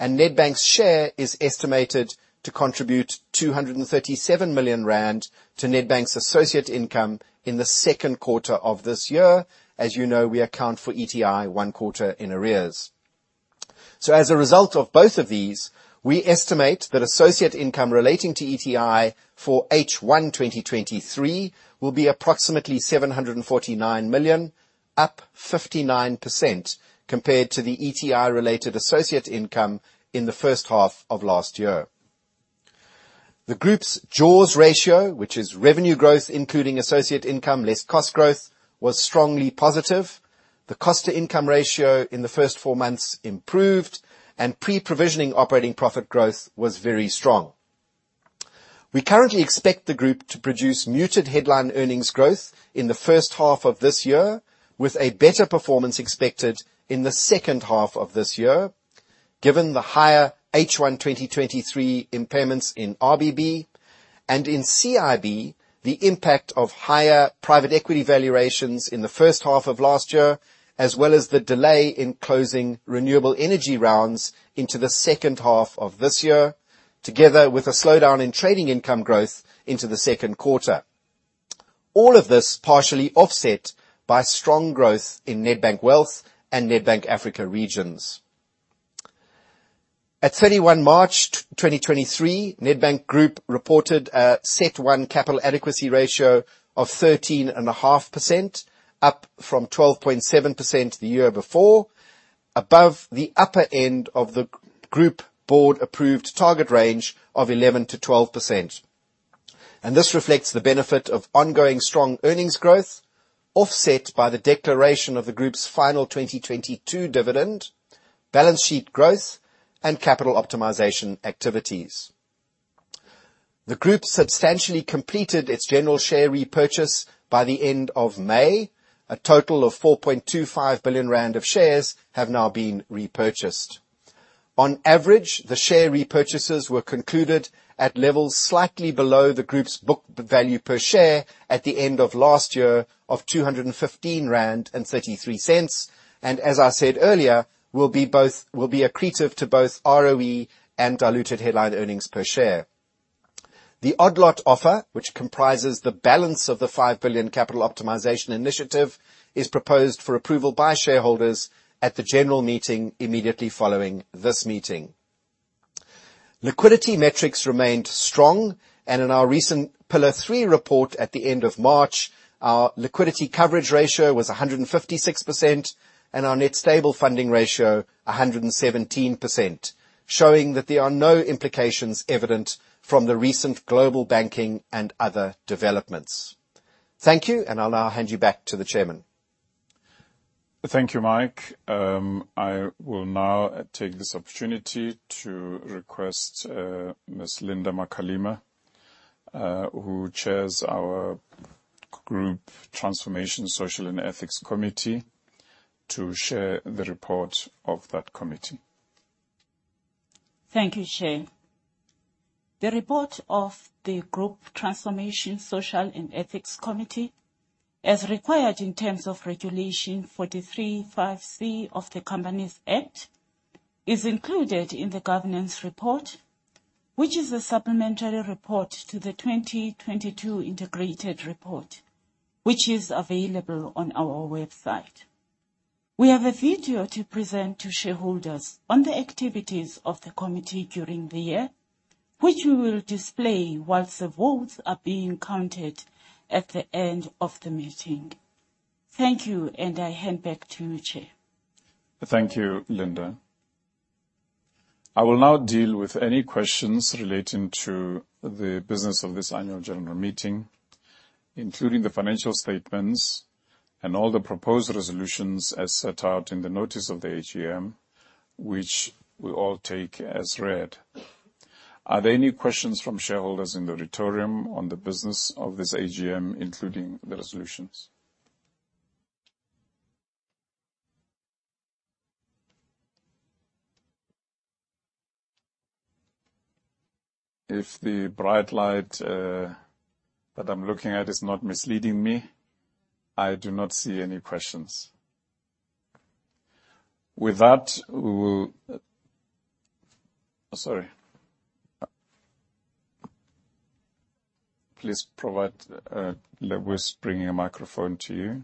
and Nedbank's share is estimated to contribute 237 million rand to Nedbank's associate income in the second quarter of this year. As you know, we account for ETI one quarter in arrears. As a result of both of these, we estimate that associate income relating to ETI for H1 2023 will be approximately 749 million, up 59% compared to the ETI-related associate income in the first half of last year. The group's jaws ratio, which is revenue growth, including associate income less cost growth, was strongly positive. The cost to income ratio in the first four months improved and pre-provisioning operating profit growth was very strong. We currently expect the group to produce muted headline earnings growth in the first half of this year, with a better performance expected in the second half of this year. Given the higher H1 2023 impairments in RBB and in CIB, the impact of higher private equity valuations in the first half of last year, as well as the delay in closing renewable energy rounds into the second half of this year, together with a slowdown in trading income growth into the second quarter. All of this partially offset by strong growth in Nedbank Wealth and Nedbank Africa Regions. At 31 March 2023, Nedbank Group reported a CET1 capital adequacy ratio of 13.5%, up from 12.7% the year before, above the upper end of the group board-approved target range of 11%-12%. This reflects the benefit of ongoing strong earnings growth, offset by the declaration of the group's final 2022 dividend, balance sheet growth, and capital optimization activities. The group substantially completed its general share repurchase by the end of May. A total of 4.25 billion rand of shares have now been repurchased. On average, the share repurchases were concluded at levels slightly below the group's book value per share at the end of last year of 215.33 rand. As I said earlier, will be accretive to both ROE and diluted headline earnings per share. The odd lot offer, which comprises the balance of the 5 billion capital optimization initiative, is proposed for approval by shareholders at the general meeting immediately following this meeting. Liquidity metrics remained strong. In our recent Pillar 3 report at the end of March, our liquidity coverage ratio was 156% and our net stable funding ratio 117%, showing that there are no implications evident from the recent global banking and other developments. Thank you. I'll now hand you back to the chairman. Thank you, Mike. I will now take this opportunity to request Ms. Linda Makalima, who chairs our Group Transformation, Social and Ethics Committee, to share the report of that committee. Thank you, Chair. The report of the Group Transformation, Social and Ethics Committee, as required in terms of Regulation 43(5)(c) of the Companies Act, is included in the governance report, which is a supplementary report to the 2022 integrated report, which is available on our website. We have a video to present to shareholders on the activities of the committee during the year, which we will display whilst the votes are being counted at the end of the meeting. Thank you. I hand back to you, Chair. Thank you, Linda. I will now deal with any questions relating to the business of this annual general meeting, including the financial statements and all the proposed resolutions as set out in the notice of the AGM, which we all take as read. Are there any questions from shareholders in the auditorium on the business of this AGM, including the resolutions? If the bright light that I'm looking at is not misleading me, I do not see any questions. Sorry. Please provide, Lewis, bringing a microphone to you.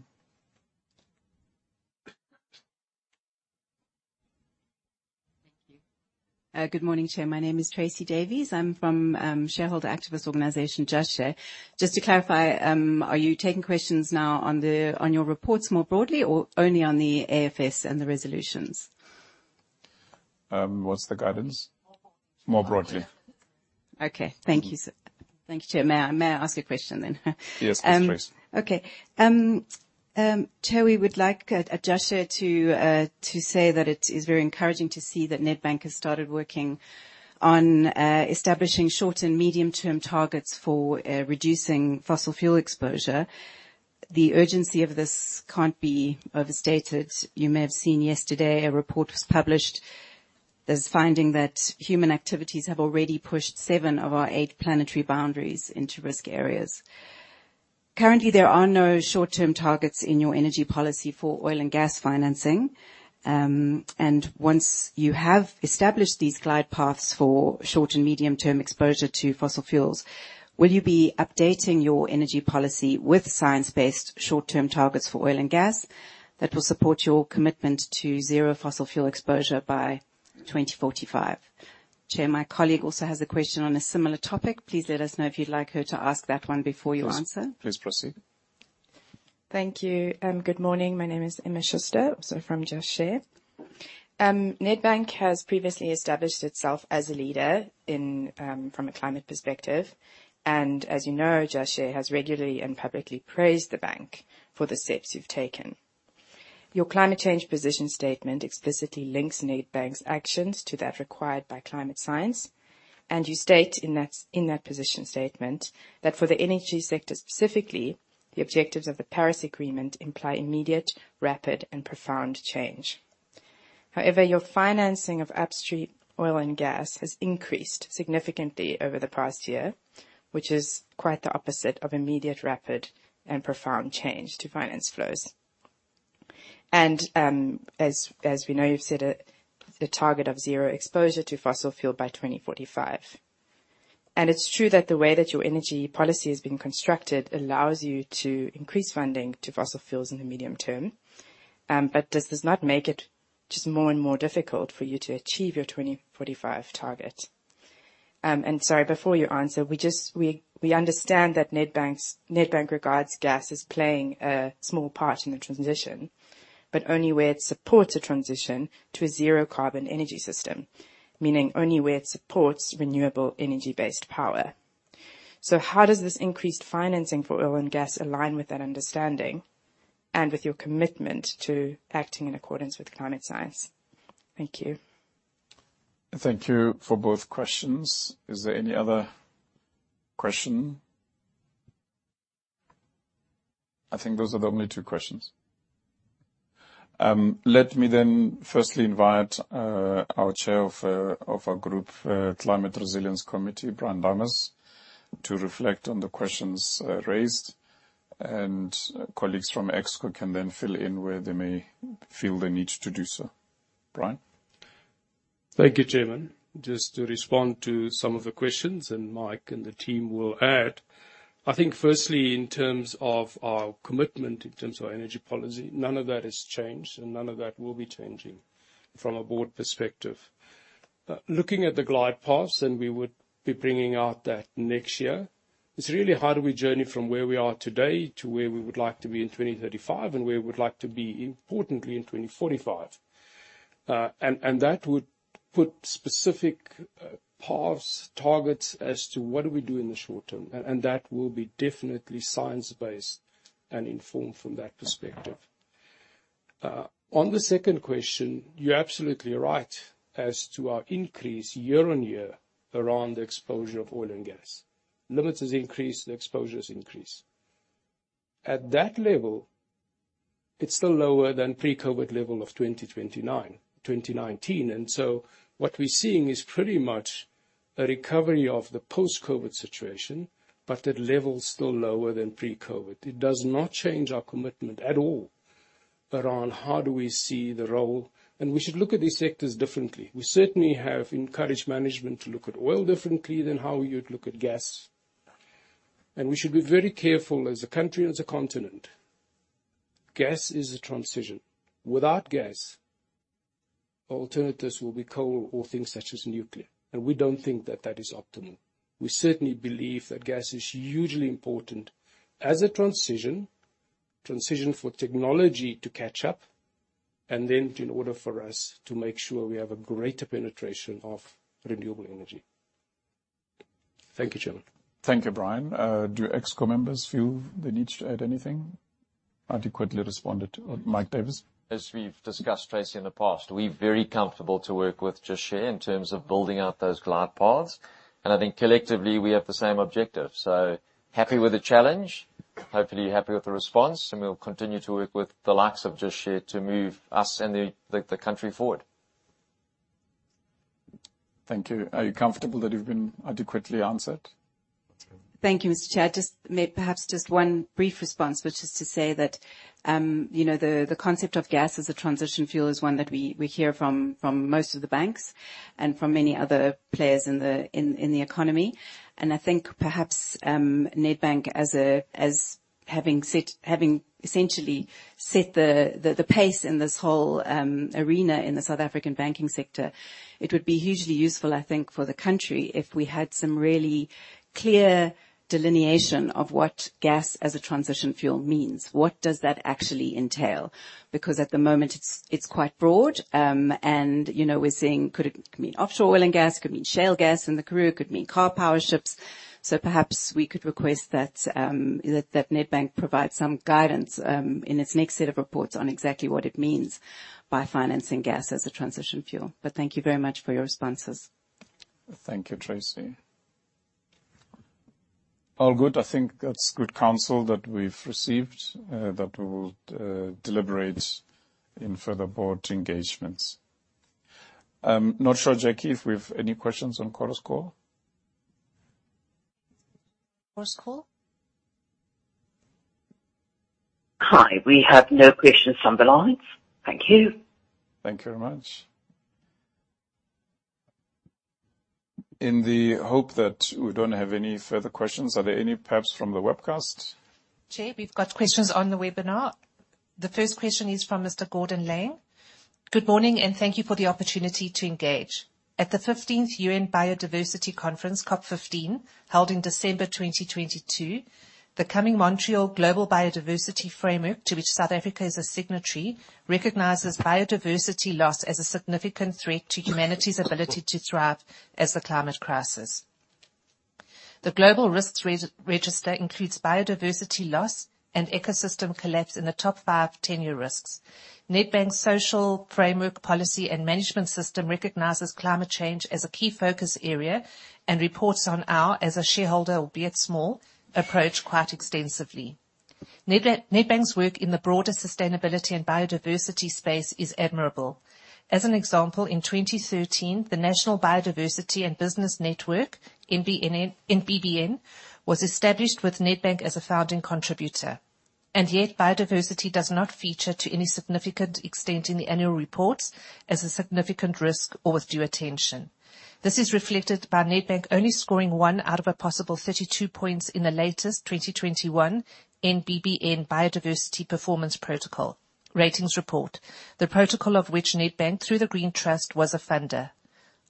Thank you. Good morning, Chair. My name is Tracey Davies. I'm from shareholder activist organization, Just Share. Just to clarify, are you taking questions now on your reports more broadly, or only on the AFS and the resolutions? What's the guidance? More broadly. More broadly. Thank you, sir. Thank you, Chair. May I ask a question then? Yes, please, Tracey. Chair, we would like Just Share to say that it is very encouraging to see that Nedbank has started working on establishing short and medium-term targets for reducing fossil fuel exposure. The urgency of this can't be overstated. You may have seen yesterday, a report was published that's finding that human activities have already pushed seven of our eight planetary boundaries into risk areas. Currently, there are no short-term targets in your energy policy for oil and gas financing. Once you have established these glide paths for short and medium-term exposure to fossil fuels, will you be updating your energy policy with science-based short-term targets for oil and gas that will support your commitment to zero fossil fuel exposure by 2045? Chair, my colleague also has a question on a similar topic. Please let us know if you'd like her to ask that one before you answer. Please proceed. Thank you. Good morning. My name is Emma Schuster, also from Just Share. Nedbank has previously established itself as a leader from a climate perspective. As you know, Just Share has regularly and publicly praised the bank for the steps you've taken. Your climate change position statement explicitly links Nedbank's actions to that required by climate science, you state in that position statement that for the energy sector specifically, the objectives of the Paris Agreement imply immediate, rapid, and profound change. However, your financing of upstream oil and gas has increased significantly over the past year, which is quite the opposite of immediate, rapid, and profound change to finance flows. As we know, you've set a target of zero exposure to fossil fuel by 2045. It's true that the way that your energy policy has been constructed allows you to increase funding to fossil fuels in the medium term. Does this not make it just more and more difficult for you to achieve your 2045 target? Sorry, before you answer, we understand that Nedbank regards gas as playing a small part in the transition, but only where it supports a transition to a zero carbon energy system, meaning only where it supports renewable energy-based power. How does this increased financing for oil and gas align with that understanding and with your commitment to acting in accordance with climate science? Thank you. Thank you for both questions. Is there any other question? I think those are the only two questions. Let me firstly invite our chair of our Group Climate Resilience Committee, Brian Dames, to reflect on the questions raised, colleagues from Exco can then fill in where they may feel they need to do so. Brian? Thank you, Chairman. Just to respond to some of the questions, Mike and the team will add. I think firstly, in terms of our commitment, in terms of our energy policy, none of that has changed and none of that will be changing from a board perspective. Looking at the glide paths, we would be bringing out that next year, it's really how do we journey from where we are today to where we would like to be in 2035 and where we would like to be, importantly, in 2045. That would put specific paths, targets as to what do we do in the short term. That will be definitely science-based and informed from that perspective. On the second question, you're absolutely right as to our increase year-on-year around the exposure of oil and gas. Limits has increased, the exposure has increased. At that level, it's still lower than pre-COVID level of 2019. What we're seeing is pretty much a recovery of the post-COVID situation, but at levels still lower than pre-COVID. It does not change our commitment at all around how do we see the role. We should look at these sectors differently. We certainly have encouraged management to look at oil differently than how you'd look at gas. We should be very careful as a country, as a continent. Gas is a transition. Without gas, alternatives will be coal or things such as nuclear. We don't think that that is optimal. We certainly believe that gas is hugely important as a transition for technology to catch up, in order for us to make sure we have a greater penetration of renewable energy. Thank you, chairman. Thank you, Brian. Do ExCo members feel the need to add anything? Adequately responded. Mike Davis. As we've discussed, Tracey, in the past, we're very comfortable to work with Just Share in terms of building out those glide paths. I think collectively we have the same objective. Happy with the challenge. Hopefully you're happy with the response, we'll continue to work with the likes of Just Share to move us and the country forward. Thank you. Are you comfortable that you've been adequately answered? Thank you, Mr. Chair. Just perhaps just one brief response, which is to say that, the concept of gas as a transition fuel is one that we hear from most of the banks and from many other players in the economy. I think perhaps Nedbank, as having essentially set the pace in this whole arena in the South African banking sector, it would be hugely useful, I think, for the country, if we had some really clear delineation of what gas as a transition fuel means. What does that actually entail? At the moment it's quite broad, and we're seeing could it mean offshore oil and gas, could mean shale gas in the Karoo, could mean car power ships. Perhaps we could request that Nedbank provide some guidance, in its next set of reports on exactly what it means by financing gas as a transition fuel. Thank you very much for your responses. Thank you, Tracey. All good. I think that's good counsel that we've received, that we'll deliberate in further board engagements. I'm not sure, Jackie, if we've any questions on Chorus Call. Chorus Call. Hi. We have no questions on the lines. Thank you. Thank you very much. In the hope that we don't have any further questions, are there any perhaps from the webcast? Jay, we've got questions on the webinar. The first question is from Mr. Gordon Lang. Good morning, and thank you for the opportunity to engage. At the 15th UN Biodiversity Conference, COP 15, held in December 2022, the coming Kunming-Montreal Global Biodiversity Framework, to which South Africa is a signatory, recognizes biodiversity loss as a significant threat to humanity's ability to thrive as the climate crisis. The global risks register includes biodiversity loss and ecosystem collapse in the top five tenure risks. Nedbank's social framework policy and management system recognizes climate change as a key focus area and reports on our, as a shareholder, albeit small, approach quite extensively. Nedbank's work in the broader sustainability and biodiversity space is admirable. As an example, in 2013, the National Biodiversity and Business Network, NBBN, was established with Nedbank as a founding contributor. Yet biodiversity does not feature to any significant extent in the annual reports as a significant risk or with due attention. This is reflected by Nedbank only scoring one out of a possible 32 points in the latest 2021 NBBN Biological Diversity Protocol ratings report, the protocol of which Nedbank, through the Green Trust, was a funder.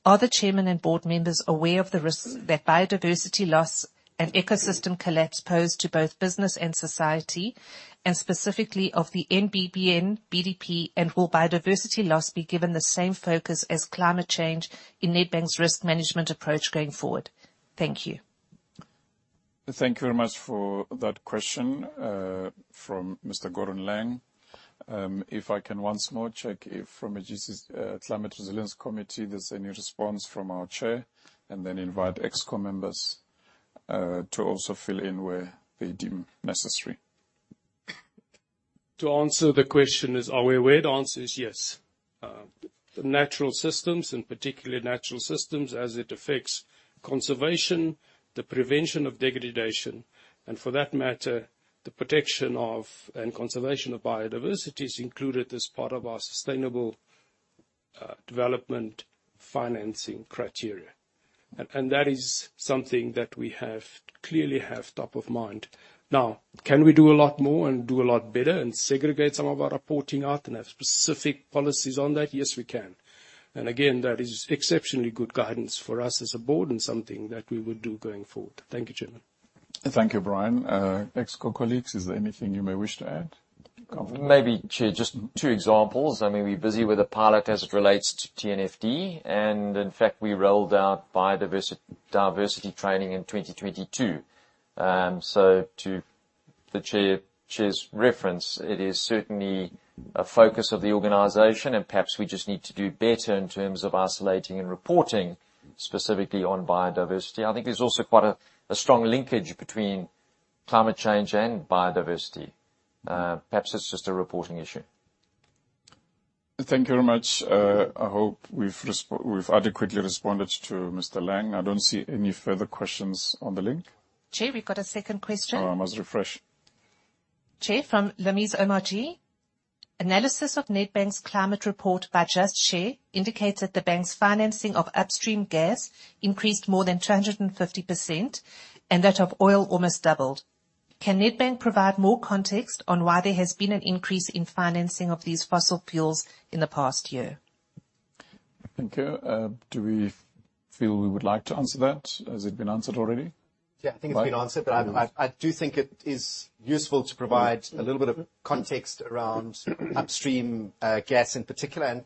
Are the chairman and board members aware of the risks that biodiversity loss and ecosystem collapse pose to both business and society, and specifically of the NBBN BDP and will biodiversity loss be given the same focus as climate change in Nedbank's risk management approach going forward? Thank you. Thank you very much for that question from Mr. Gordon Lang. If I can once more check if from a GC's Climate Resilience Committee, there's any response from our chair and then invite ExCo members to also fill in where they deem necessary. To answer the question, are we aware? The answer is yes. Natural systems, and particularly natural systems as it affects conservation, the prevention of degradation, and for that matter, the protection of and conservation of biodiversity is included as part of our sustainable development financing criteria. That is something that we have clearly have top of mind. Now, can we do a lot more and do a lot better and segregate some of our reporting out and have specific policies on that? Yes, we can. Again, that is exceptionally good guidance for us as a board and something that we would do going forward. Thank you, Chairman. Thank you, Brian. ExCo colleagues, is there anything you may wish to add? Chair, just two examples. We are busy with a pilot as it relates to TNFD, and in fact, we rolled out biodiversity training in 2022. To the chair's reference, it is certainly a focus of the organization and perhaps we just need to do better in terms of isolating and reporting specifically on biodiversity. I think there is also quite a strong linkage between climate change and biodiversity. Perhaps it is just a reporting issue. Thank you very much. I hope we have adequately responded to Mr. Lang. I do not see any further questions on the link. Jay, we have got a second question. I must refresh. Jay, from Lemiz MRG. Analysis of Nedbank's climate report by Just Share indicates that the bank's financing of upstream gas increased more than 250% and that of oil almost doubled. Can Nedbank provide more context on why there has been an increase in financing of these fossil fuels in the past year? Thank you. Do we feel we would like to answer that? Has it been answered already? Yeah, I think it's been answered. I do think it is useful to provide a little bit of context around upstream gas in particular.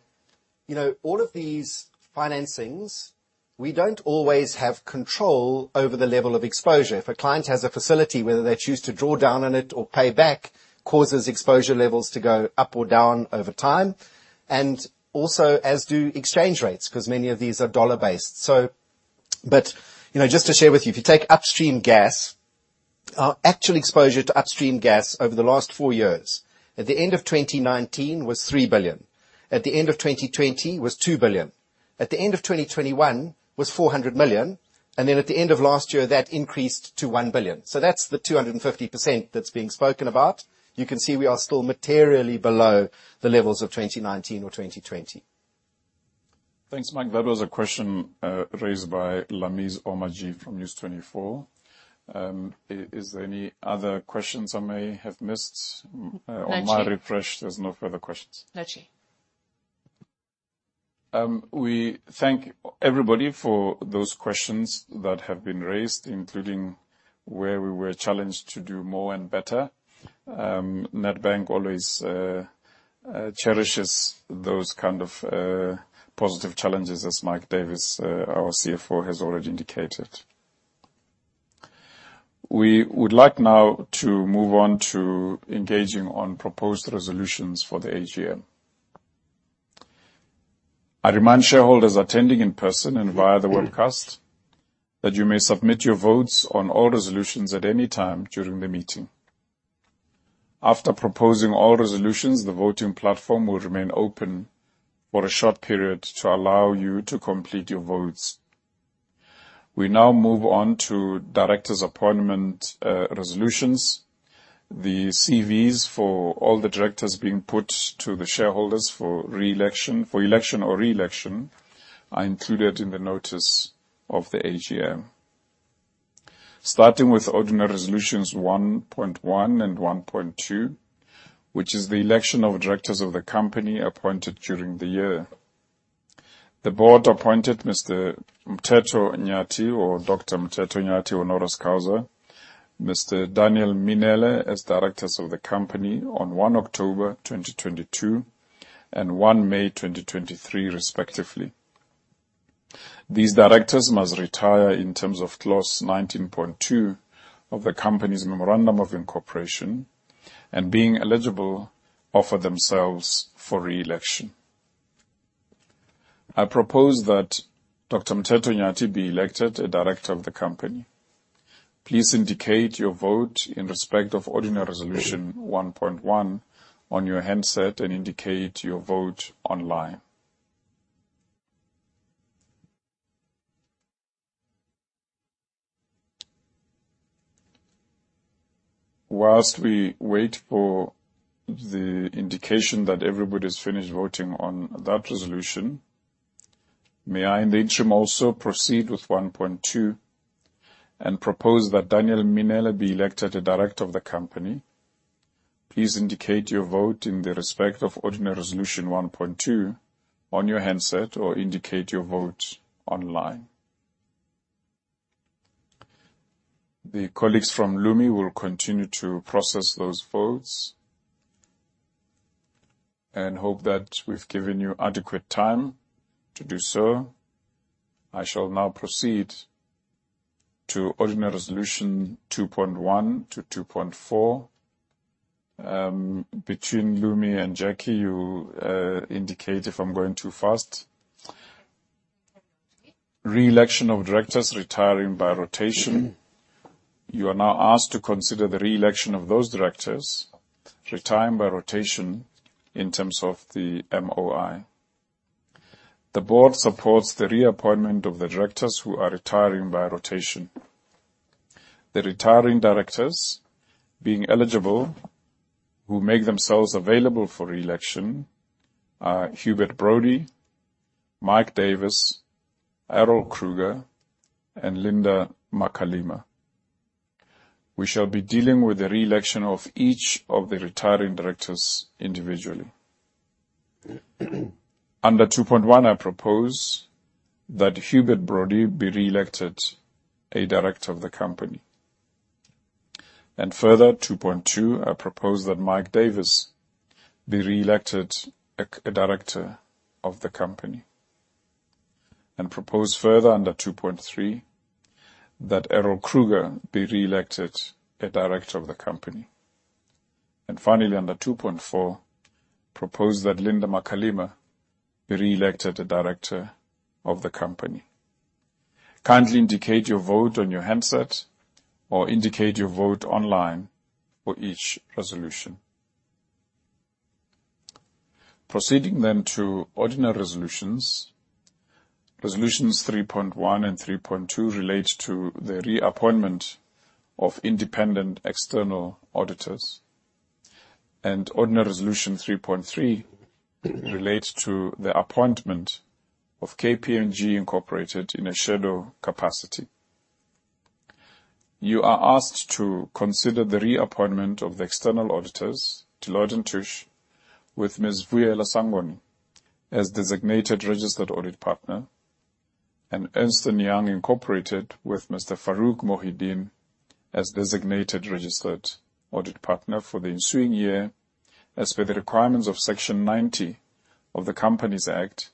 All of these financings, we don't always have control over the level of exposure. If a client has a facility, whether they choose to draw down on it or pay back, causes exposure levels to go up or down over time. Also, as do exchange rates, because many of these are dollar-based. Just to share with you, if you take upstream gas, our actual exposure to upstream gas over the last four years, at the end of 2019 was $3 billion. At the end of 2020 was $2 billion. At the end of 2021 was $400 million, and at the end of last year, that increased to $1 billion. That's the 250% that's being spoken about. You can see we are still materially below the levels of 2019 or 2020. Thanks, Mike. That was a question raised by Lameez Omarjee from News24. Is there any other questions I may have missed? No, Chair. On my refresh, there's no further questions. No, Chair. We thank everybody for those questions that have been raised, including where we were challenged to do more and better. Nedbank always cherishes those kind of positive challenges, as Mike Davis, our CFO, has already indicated. We would like now to move on to engaging on proposed resolutions for the AGM. I remind shareholders attending in person and via the webcast that you may submit your votes on all resolutions at any time during the meeting. After proposing all resolutions, the voting platform will remain open for a short period to allow you to complete your votes. We now move on to directors' appointment resolutions. The CVs for all the directors being put to the shareholders for election or re-election are included in the notice of the AGM. Starting with ordinary resolutions 1.1 and 1.2, which is the election of directors of the company appointed during the year. The board appointed Mr. Mteto Nyati, or Dr. Mteto Nyati, honoris causa, Mr. Daniel Mminele, as directors of the company on 1 October 2022 and 1 May 2023, respectively. These directors must retire in terms of clause 19.2 of the company's Memorandum of Incorporation, and being eligible, offer themselves for re-election. I propose that Dr. Mteto Nyati be elected a director of the company. Please indicate your vote in respect of ordinary resolution 1.1 on your handset, and indicate your vote online. Whilst we wait for the indication that everybody's finished voting on that resolution, may I in the interim also proceed with 1.2 and propose that Daniel Mminele be elected a director of the company. Please indicate your vote in the respect of ordinary resolution 1.2 on your handset or indicate your vote online. The colleagues from Lumi will continue to process those votes and hope that we've given you adequate time to do so. I shall now proceed to ordinary resolution 2.1 to 2.4. Between Lumi and Jackie, you'll indicate if I'm going too fast. Re-election of directors retiring by rotation. You are now asked to consider the re-election of those directors retiring by rotation in terms of the MOI. The board supports the reappointment of the directors who are retiring by rotation. The retiring directors being eligible, who make themselves available for re-election are Hubert Brody, Mike Davis, Errol Kruger, and Linda Makalima. We shall be dealing with the re-election of each of the retiring directors individually. Under 2.1, I propose that Hubert Brody be re-elected a director of the company. Further, 2.2, I propose that Mike Davis be re-elected a director of the company. Propose further under 2.3 that Errol Kruger be re-elected a director of the company. Finally, under 2.4, propose that Linda Makalima be re-elected a director of the company. Kindly indicate your vote on your handset or indicate your vote online for each resolution. Proceeding to ordinary resolutions. Resolutions 3.1 and 3.2 relate to the reappointment of independent external auditors. Ordinary resolution 3.3 relates to the appointment of KPMG Incorporated in a shadow capacity. You are asked to consider the reappointment of the external auditors, Deloitte & Touche, with Ms. Vuyelwa Sangweni as designated registered audit partner. Ernst & Young Incorporated with Mr. Farouk Mohideen as designated registered audit partner for the ensuing year as per the requirements of Section 90 of the Companies Act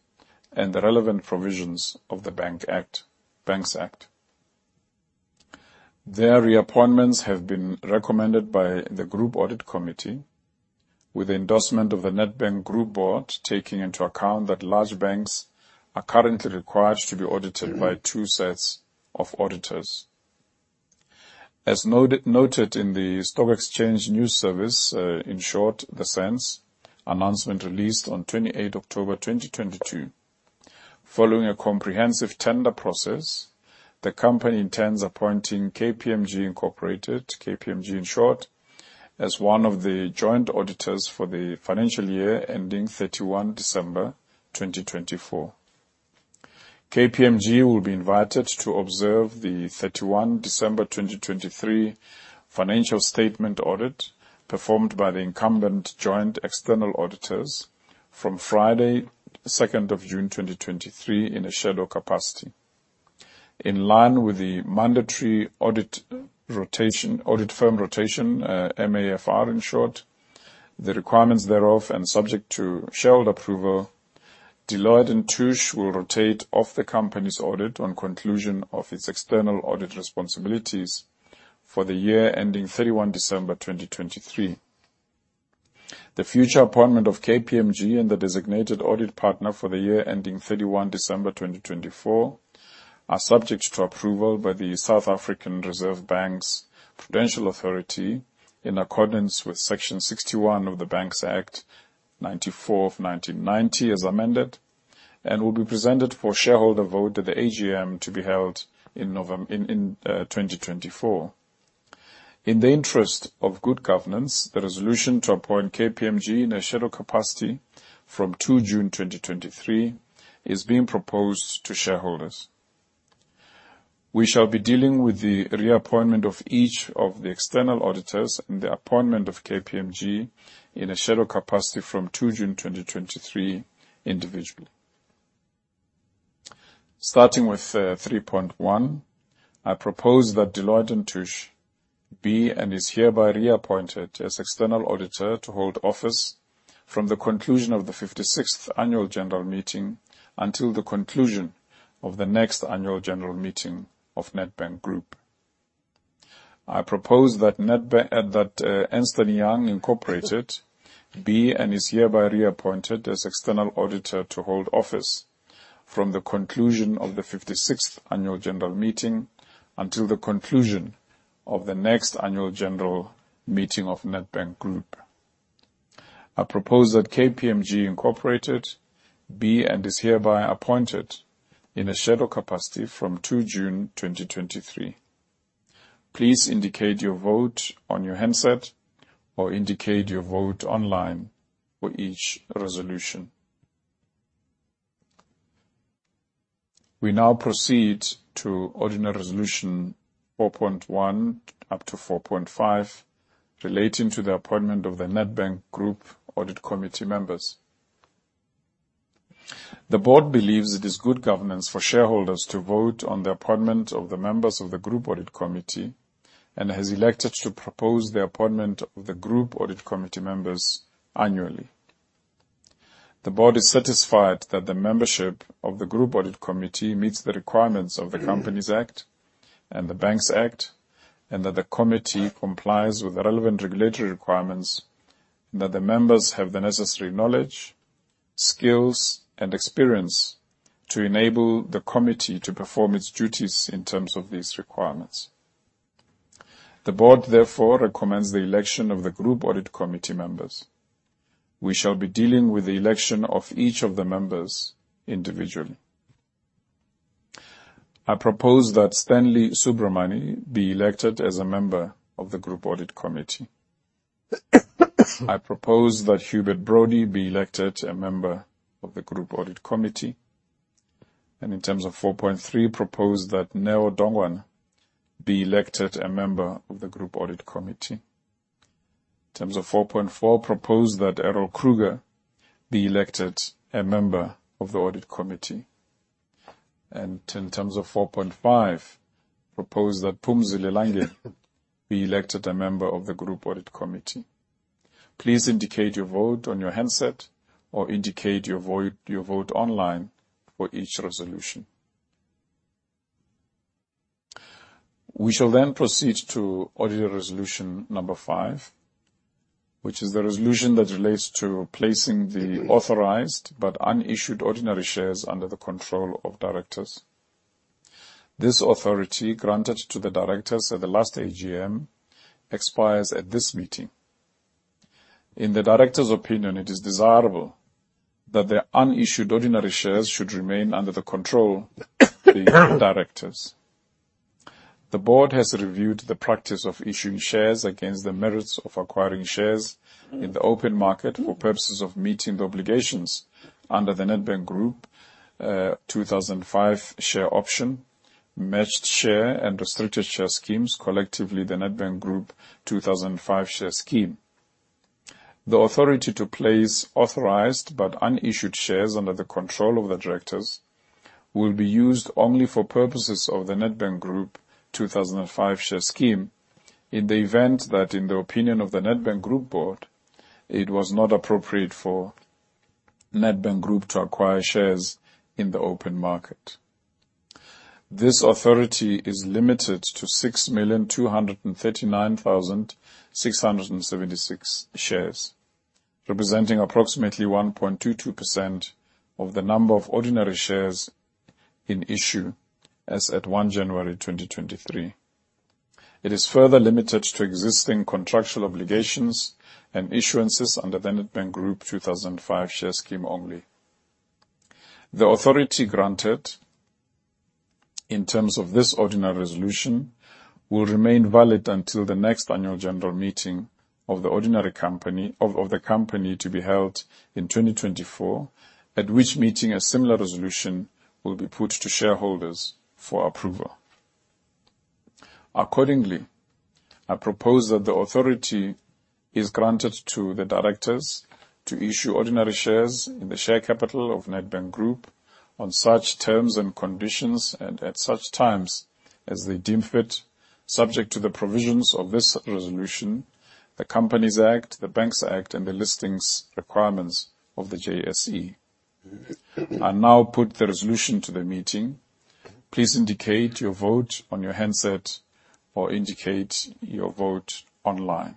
and the relevant provisions of the Banks Act. Their reappointments have been recommended by the Group Audit Committee with the endorsement of the Nedbank Group board, taking into account that large banks are currently required to be audited by two sets of auditors. As noted in the stock exchange news service, in short, the SENS announcement released on 28th October 2022. Following a comprehensive tender process, the company intends appointing KPMG Incorporated, KPMG in short, as one of the joint auditors for the financial year ending 31 December 2024. KPMG will be invited to observe the 31 December 2023 financial statement audit performed by the incumbent joint external auditors from Friday, 2nd of June 2023, in a shadow capacity. In line with the mandatory audit firm rotation, MAFR in short, the requirements thereof, and subject to shareholder approval, Deloitte & Touche will rotate off the company's audit on conclusion of its external audit responsibilities for the year ending 31 December 2023. The future appointment of KPMG and the designated audit partner for the year ending 31 December 2024 are subject to approval by the South African Reserve Bank's Prudential Authority in accordance with Section 61 of the Banks Act 94 of 1990 as amended, and will be presented for shareholder vote at the AGM to be held in 2024. In the interest of good governance, the resolution to appoint KPMG in a shadow capacity from 2 June 2023 is being proposed to shareholders. We shall be dealing with the reappointment of each of the external auditors and the appointment of KPMG in a shadow capacity from 2 June 2023 individually. Starting with 3.1, I propose that Deloitte & Touche be and is hereby reappointed as external auditor to hold office from the conclusion of the 56th annual general meeting until the conclusion of the next annual general meeting of Nedbank Group. I propose that Ernst & Young Incorporated be and is hereby reappointed as external auditor to hold office from the conclusion of the 56th annual general meeting until the conclusion of the next annual general meeting of Nedbank Group. I propose that KPMG Incorporated be and is hereby appointed in a shadow capacity from 2 June 2023. Please indicate your vote on your handset or indicate your vote online for each resolution. We now proceed to ordinary resolution 4.1 up to 4.5 relating to the appointment of the Nedbank Group Audit Committee members. The board believes it is good governance for shareholders to vote on the appointment of the members of the Group Audit Committee and has elected to propose the appointment of the Group Audit Committee members annually. The board is satisfied that the membership of the Group Audit Committee meets the requirements of the Companies Act and the Banks Act, and that the committee complies with the relevant regulatory requirements, and that the members have the necessary knowledge, skills, and experience to enable the committee to perform its duties in terms of these requirements. The board, therefore, recommends the election of the Group Audit Committee members. We shall be dealing with the election of each of the members individually. I propose that Stanley Subramoney be elected as a member of the Group Audit Committee. I propose that Hubert Brody be elected a member of the Group Audit Committee. In terms of 4.3, propose that Neo Dongwana be elected a member of the Group Audit Committee. In terms of 4.4, propose that Errol Kruger be elected a member of the Group Audit Committee. In terms of 4.5, propose that Phumzile Langeni be elected a member of the Group Audit Committee. Please indicate your vote on your handset or indicate your vote online for each resolution. We shall then proceed to ordinary resolution number 5, which is the resolution that relates to placing the authorized but unissued ordinary shares under the control of directors. This authority granted to the directors at the last AGM expires at this meeting. In the directors' opinion, it is desirable that their unissued ordinary shares should remain under the control of the directors. The board has reviewed the practice of issuing shares against the merits of acquiring shares in the open market for purposes of meeting the obligations under the Nedbank Group 2005 share option, matched share, and restricted share schemes, collectively the Nedbank Group (2005) Share Scheme. The authority to place authorized but unissued shares under the control of the directors will be used only for purposes of the Nedbank Group (2005) Share Scheme in the event that, in the opinion of the Nedbank Group board, it was not appropriate for Nedbank Group to acquire shares in the open market. This authority is limited to 6,239,676 shares, representing approximately 1.22% of the number of ordinary shares in issue as at 1 January 2023. It is further limited to existing contractual obligations and issuances under the Nedbank Group (2005) Share Scheme only. The authority granted in terms of this ordinary resolution will remain valid until the next annual general meeting of the company to be held in 2024, at which meeting a similar resolution will be put to shareholders for approval. Accordingly, I propose that the authority is granted to the directors to issue ordinary shares in the share capital of Nedbank Group on such terms and conditions and at such times as they deem fit, subject to the provisions of this resolution, the Companies Act, the Banks Act, and the listings requirements of the JSE. I now put the resolution to the meeting. Please indicate your vote on your handset or indicate your vote online.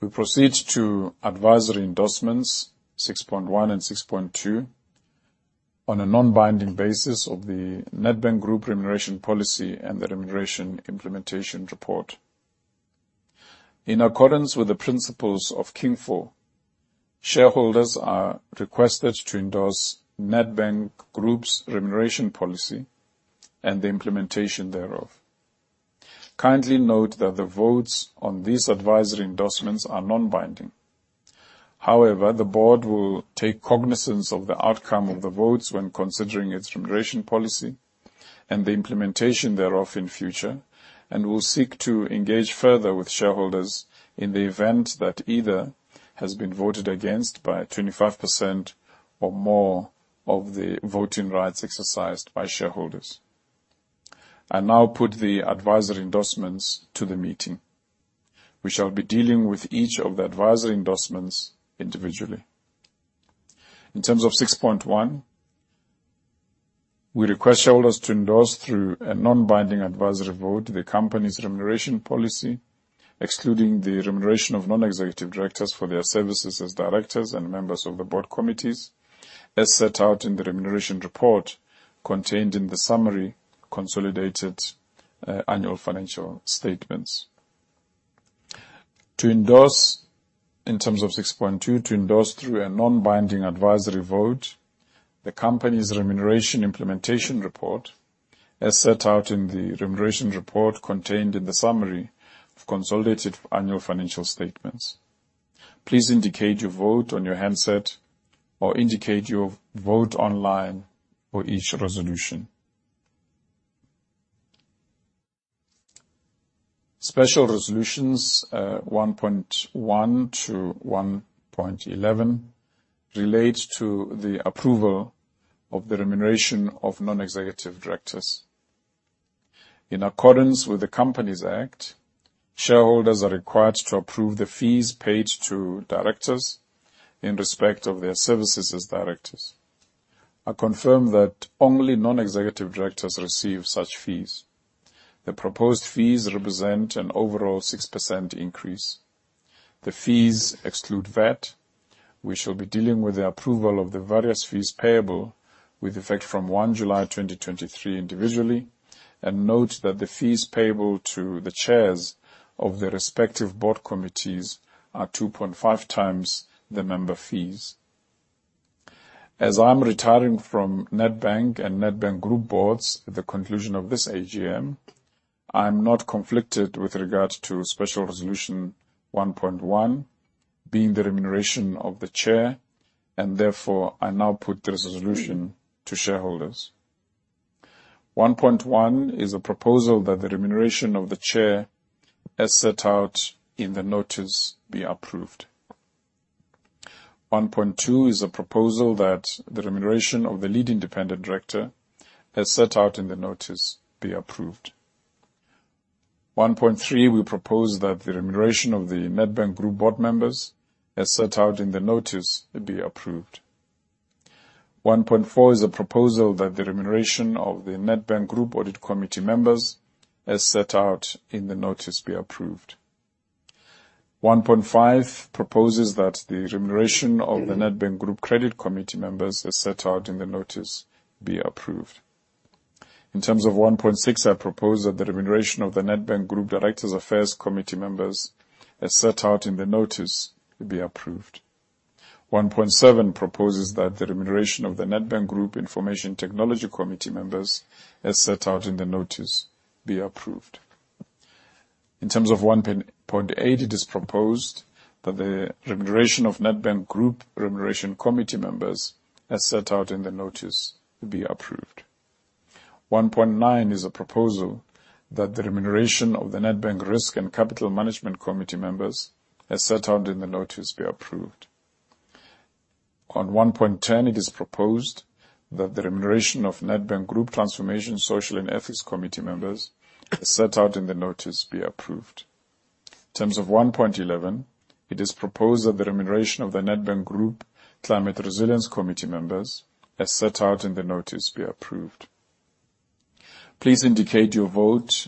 We proceed to advisory endorsements 6.1 and 6.2 on a non-binding basis of the Nedbank Group remuneration policy and the remuneration implementation report. In accordance with the principles of King IV, shareholders are requested to endorse Nedbank Group's remuneration policy and the implementation thereof. Kindly note that the votes on these advisory endorsements are non-binding. However, the board will take cognizance of the outcome of the votes when considering its remuneration policy and the implementation thereof in future and will seek to engage further with shareholders in the event that either has been voted against by 25% or more of the voting rights exercised by shareholders. I now put the advisory endorsements to the meeting. We shall be dealing with each of the advisory endorsements individually. In terms of 6.1, we request shareholders to endorse through a non-binding advisory vote the company's remuneration policy, excluding the remuneration of non-executive directors for their services as directors and members of the board committees, as set out in the remuneration report contained in the summary consolidated annual financial statements. In terms of 6.2, to endorse through a non-binding advisory vote the company's remuneration implementation report, as set out in the remuneration report contained in the summary of consolidated annual financial statements. Please indicate your vote on your handset or indicate your vote online for each resolution. Special resolutions 1.1 to 1.11 relate to the approval of the remuneration of non-executive directors. In accordance with the Companies Act, shareholders are required to approve the fees paid to directors in respect of their services as directors. I confirm that only non-executive directors receive such fees. The proposed fees represent an overall 6% increase. The fees exclude VAT. We shall be dealing with the approval of the various fees payable with effect from 1 July 2023 individually and note that the fees payable to the chairs of the respective board committees are 2.5 times the member fees. As I'm retiring from Nedbank and Nedbank Group boards at the conclusion of this AGM, I'm not conflicted with regard to special resolution 1.1 being the remuneration of the chair, and therefore I now put the resolution to shareholders. 1.1 is a proposal that the remuneration of the chair as set out in the notice be approved. 1.2 is a proposal that the remuneration of the lead independent director as set out in the notice be approved. 1.3 will propose that the remuneration of the Nedbank Group board members as set out in the notice be approved. 1.4 is a proposal that the remuneration of the Group Audit Committee members as set out in the notice be approved. 1.5 proposes that the remuneration of the Group Credit Committee members as set out in the notice be approved. In terms of 1.6, I propose that the remuneration of the Group Directors' Affairs Committee members as set out in the notice be approved. 1.7 proposes that the remuneration of the Group Information Technology Committee members as set out in the notice be approved. In terms of 1.8, it is proposed that the remuneration of Group Remuneration Committee members as set out in the notice be approved. 1.9 is a proposal that the remuneration of the Group Risk and Capital Management Committee members, as set out in the notice, be approved. On 1.10, it is proposed that the remuneration of Group Transformation, Social and Ethics Committee members, as set out in the notice, be approved. In terms of 1.11, it is proposed that the remuneration of the Group Sustainability and Climate Resilience Committee members, as set out in the notice, be approved. Please indicate your vote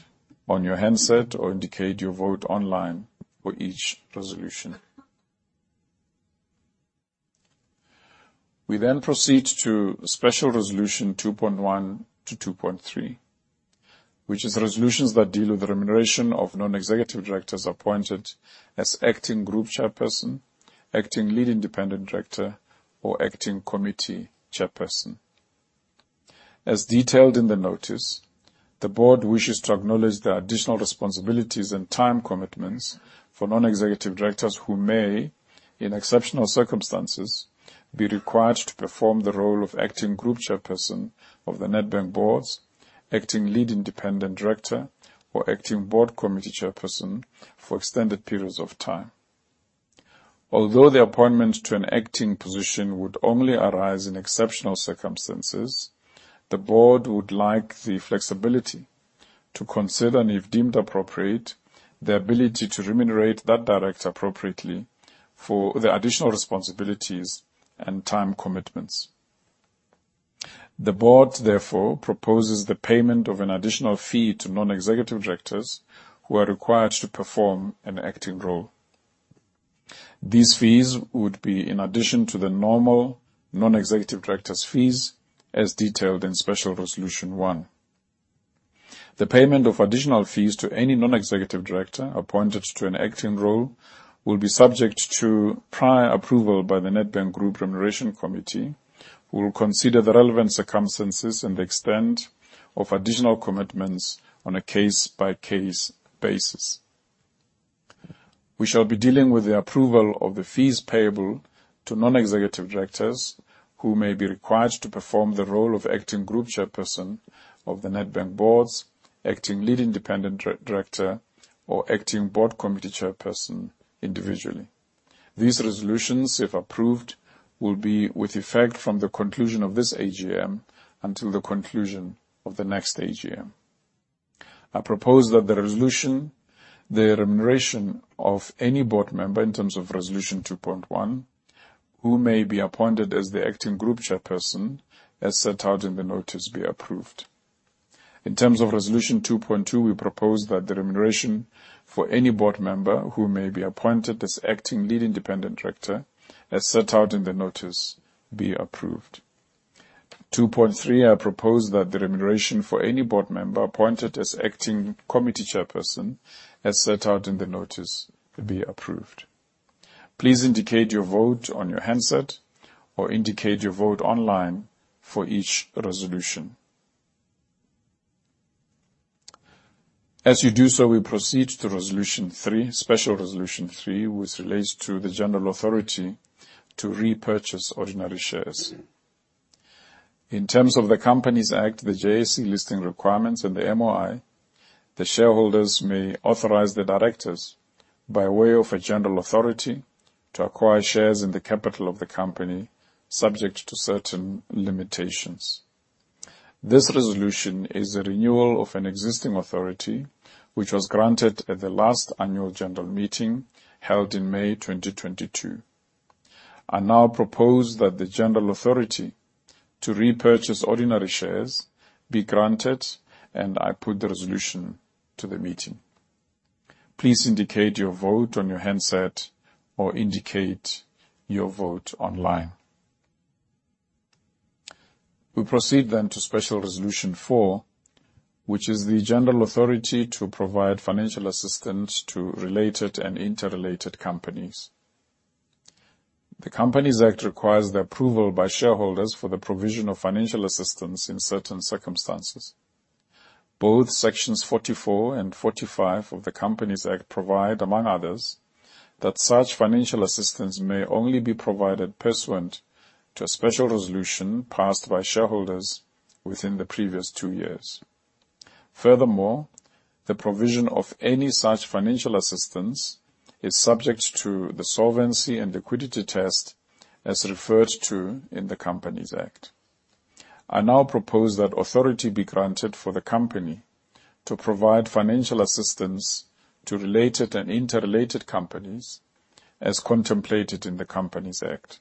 on your handset or indicate your vote online for each resolution. We then proceed to special resolution 2.1 to 2.3, which is resolutions that deal with the remuneration of non-executive directors appointed as acting group chairperson, acting lead independent director, or acting committee chairperson. As detailed in the notice, the board wishes to acknowledge the additional responsibilities and time commitments for non-executive directors who may, in exceptional circumstances, be required to perform the role of acting group chairperson of the Nedbank boards, acting lead independent director, or acting board committee chairperson for extended periods of time. Although the appointment to an acting position would only arise in exceptional circumstances, the board would like the flexibility to consider, and if deemed appropriate, the ability to remunerate that director appropriately for the additional responsibilities and time commitments. The board therefore proposes the payment of an additional fee to non-executive directors who are required to perform an acting role. These fees would be in addition to the normal non-executive directors' fees as detailed in Special Resolution 1. The payment of additional fees to any non-executive director appointed to an acting role will be subject to prior approval by the Nedbank Group Remuneration Committee, who will consider the relevant circumstances and extent of additional commitments on a case-by-case basis. We shall be dealing with the approval of the fees payable to non-executive directors who may be required to perform the role of acting group chairperson of the Nedbank boards, acting lead independent director, or acting board committee chairperson individually. These resolutions, if approved, will be with effect from the conclusion of this AGM until the conclusion of the next AGM. I propose that the remuneration of any board member in terms of Resolution 2.1, who may be appointed as the acting group chairperson, as set out in the notice, be approved. In terms of Resolution 2.2, we propose that the remuneration for any board member who may be appointed as acting lead independent director, as set out in the notice, be approved. Resolution 2.3, I propose that the remuneration for any board member appointed as acting committee chairperson, as set out in the notice, be approved. Please indicate your vote on your handset or indicate your vote online for each resolution. As you do so, we proceed to Resolution 3, Special Resolution 3, which relates to the general authority to repurchase ordinary shares. In terms of the Companies Act, the JSE listing requirements, and the MOI, the shareholders may authorize the directors by way of a general authority to acquire shares in the capital of the company, subject to certain limitations. This resolution is a renewal of an existing authority, which was granted at the last annual general meeting held in May 2022. I now propose that the general authority to repurchase ordinary shares be granted, and I put the resolution to the meeting. Please indicate your vote on your handset or indicate your vote online. We proceed to Special Resolution 4, which is the general authority to provide financial assistance to related and interrelated companies. The Companies Act requires the approval by shareholders for the provision of financial assistance in certain circumstances. Both Sections 44 and 45 of the Companies Act provide, among others, that such financial assistance may only be provided pursuant to a special resolution passed by shareholders within the previous two years. Furthermore, the provision of any such financial assistance is subject to the solvency and liquidity test as referred to in the Companies Act. I now propose that authority be granted for the company to provide financial assistance to related and interrelated companies as contemplated in the Companies Act.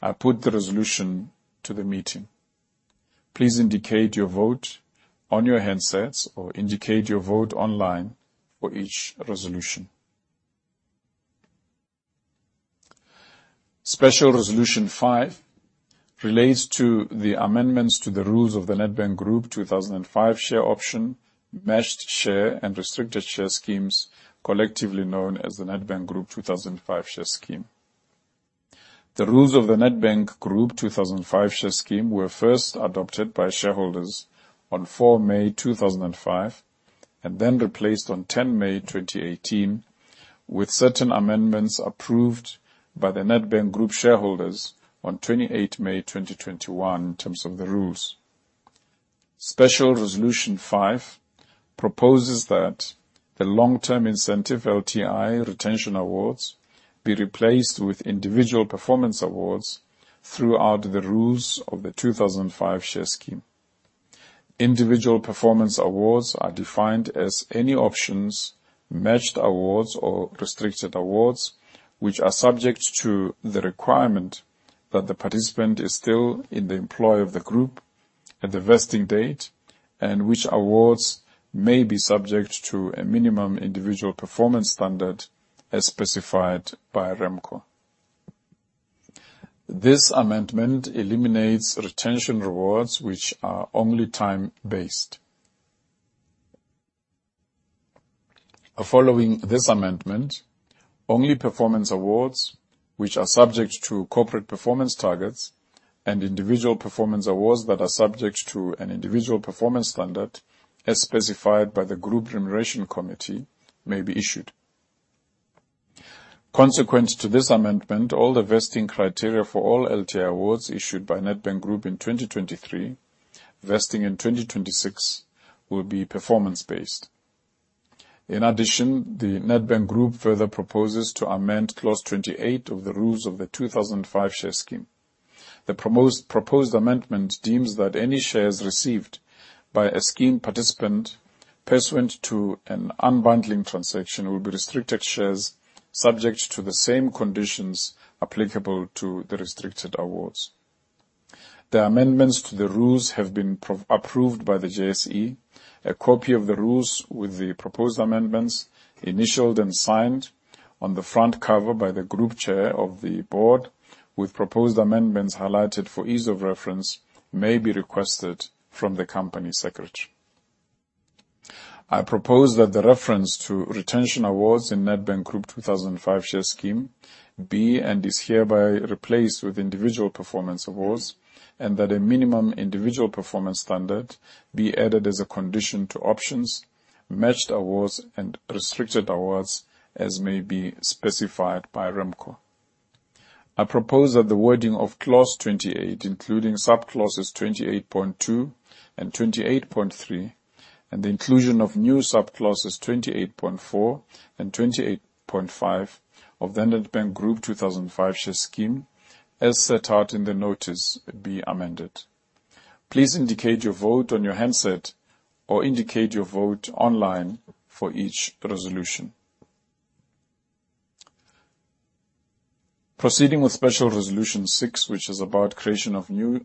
I put the resolution to the meeting. Please indicate your vote on your handsets or indicate your vote online for each resolution. Special Resolution 5 relates to the amendments to the rules of the Nedbank Group 2005 Share Option, Matched Share, and Restricted Share schemes, collectively known as the Nedbank Group 2005 Share Scheme. The rules of the Nedbank Group 2005 Share Scheme were first adopted by shareholders on 4 May 2005. Then replaced on 10 May 2018 with certain amendments approved by the Nedbank Group shareholders on 28 May 2021 in terms of the rules. Special Resolution 5 proposes that the long-term incentive LTI retention awards be replaced with individual performance awards throughout the rules of the 2005 Share Scheme. Individual performance awards are defined as any options, matched awards or restricted awards, which are subject to the requirement that the participant is still in the employ of the group at the vesting date, and which awards may be subject to a minimum individual performance standard as specified by RemCo. This amendment eliminates retention awards which are only time-based. Following this amendment, only performance awards which are subject to corporate performance targets and individual performance awards that are subject to an individual performance standard as specified by the Group Remuneration Committee may be issued. Consequent to this amendment, all the vesting criteria for all LTI awards issued by Nedbank Group in 2023, vesting in 2026, will be performance-based. In addition, the Nedbank Group further proposes to amend Clause 28 of the rules of the 2005 Share Scheme. The proposed amendment deems that any shares received by a scheme participant pursuant to an unbundling transaction will be restricted shares subject to the same conditions applicable to the restricted awards. The amendments to the rules have been approved by the JSE. A copy of the rules with the proposed amendments, initialed and signed on the front cover by the Group Chair of the Board, with proposed amendments highlighted for ease of reference, may be requested from the Company Secretary. I propose that the reference to retention awards in Nedbank Group 2005 Share Scheme be, and is hereby replaced with individual performance awards, and that a minimum individual performance standard be added as a condition to options, matched awards, and restricted awards as may be specified by RemCo. I propose that the wording of Clause 28, including sub-clauses 28.2 and 28.3, and the inclusion of new sub-clauses 28.4 and 28.5 of the Nedbank Group 2005 Share Scheme as set out in the notice be amended. Please indicate your vote on your handset or indicate your vote online for each resolution. Proceeding with Special Resolution 6, which is about creation of new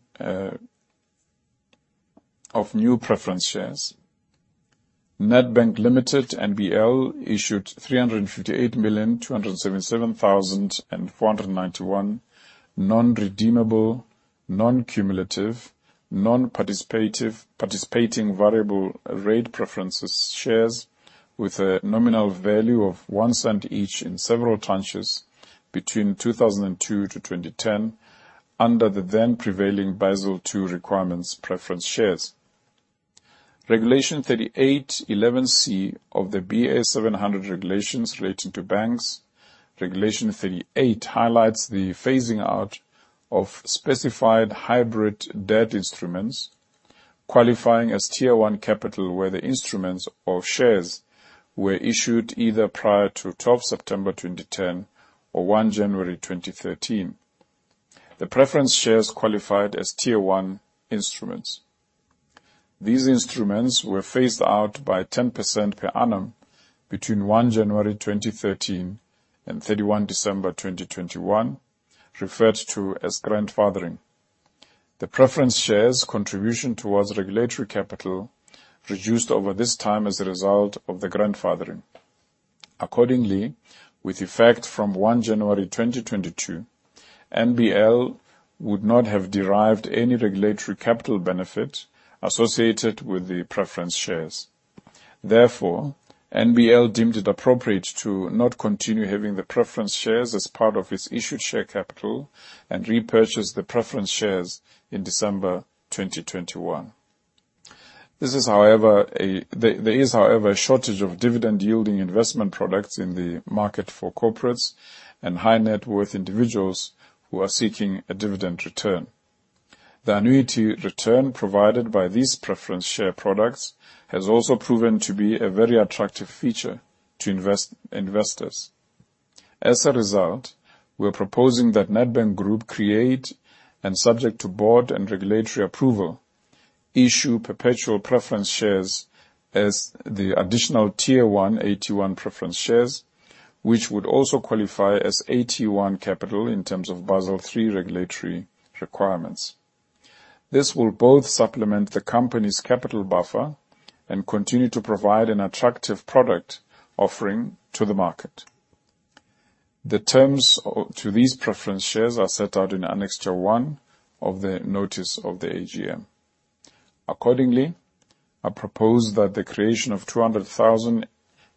preference shares. Nedbank Limited, NBL, issued 358,277,491 non-redeemable, non-cumulative, non-participating variable rate preference shares with a nominal value of 0.01 each in several tranches between 2002 to 2010 under the then prevailing Basel II requirements preference shares. Regulation 38 (11) C of the BA 700 regulations relating to banks. Regulation 38 highlights the phasing out of specified hybrid debt instruments qualifying as Tier 1 capital, where the instruments or shares were issued either prior to 12 September 2010 or 1 January 2013. The preference shares qualified as Tier 1 instruments. These instruments were phased out by 10% per annum between 1 January 2013 and 31 December 2021, referred to as grandfathering. The preference shares contribution towards regulatory capital reduced over this time as a result of the grandfathering. NBL would not have derived any regulatory capital benefit associated with the preference shares with effect from 1 January 2022. NBL deemed it appropriate to not continue having the preference shares as part of its issued share capital and repurchase the preference shares in December 2021. There is, however, a shortage of dividend-yielding investment products in the market for corporates and high-net-worth individuals who are seeking a dividend return. The annuity return provided by these preference share products has also proven to be a very attractive feature to investors. We're proposing that Nedbank Group create and subject to board and regulatory approval, issue perpetual preference shares as the additional Tier 1 AT1 preference shares, which would also qualify as AT1 capital in terms of Basel III regulatory requirements. This will both supplement the company's capital buffer and continue to provide an attractive product offering to the market. The terms to these preference shares are set out in Annexure 1 of the notice of the AGM. I propose that the creation of 200,000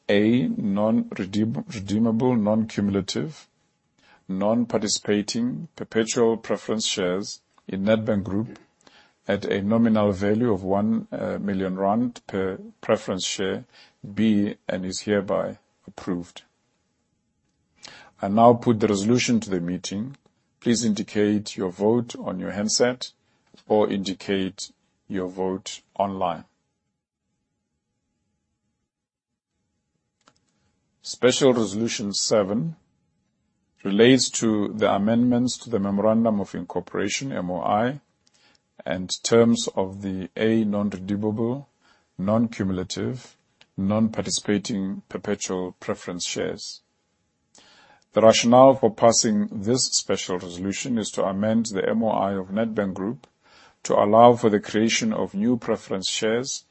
A non-redeemable, non-cumulative Non-participating perpetual preference shares in Nedbank Group at a nominal value of 1 million rand per preference share be and is hereby approved. I now put the resolution to the meeting. Please indicate your vote on your handset or indicate your vote online. Special Resolution 7 relates to the amendments to the Memorandum of Incorporation, MOI, and terms of the A non-redeemable, non-cumulative, non-participating perpetual preference shares. The rationale for passing this special resolution is to amend the MOI of Nedbank Group to allow for the creation of new preference shares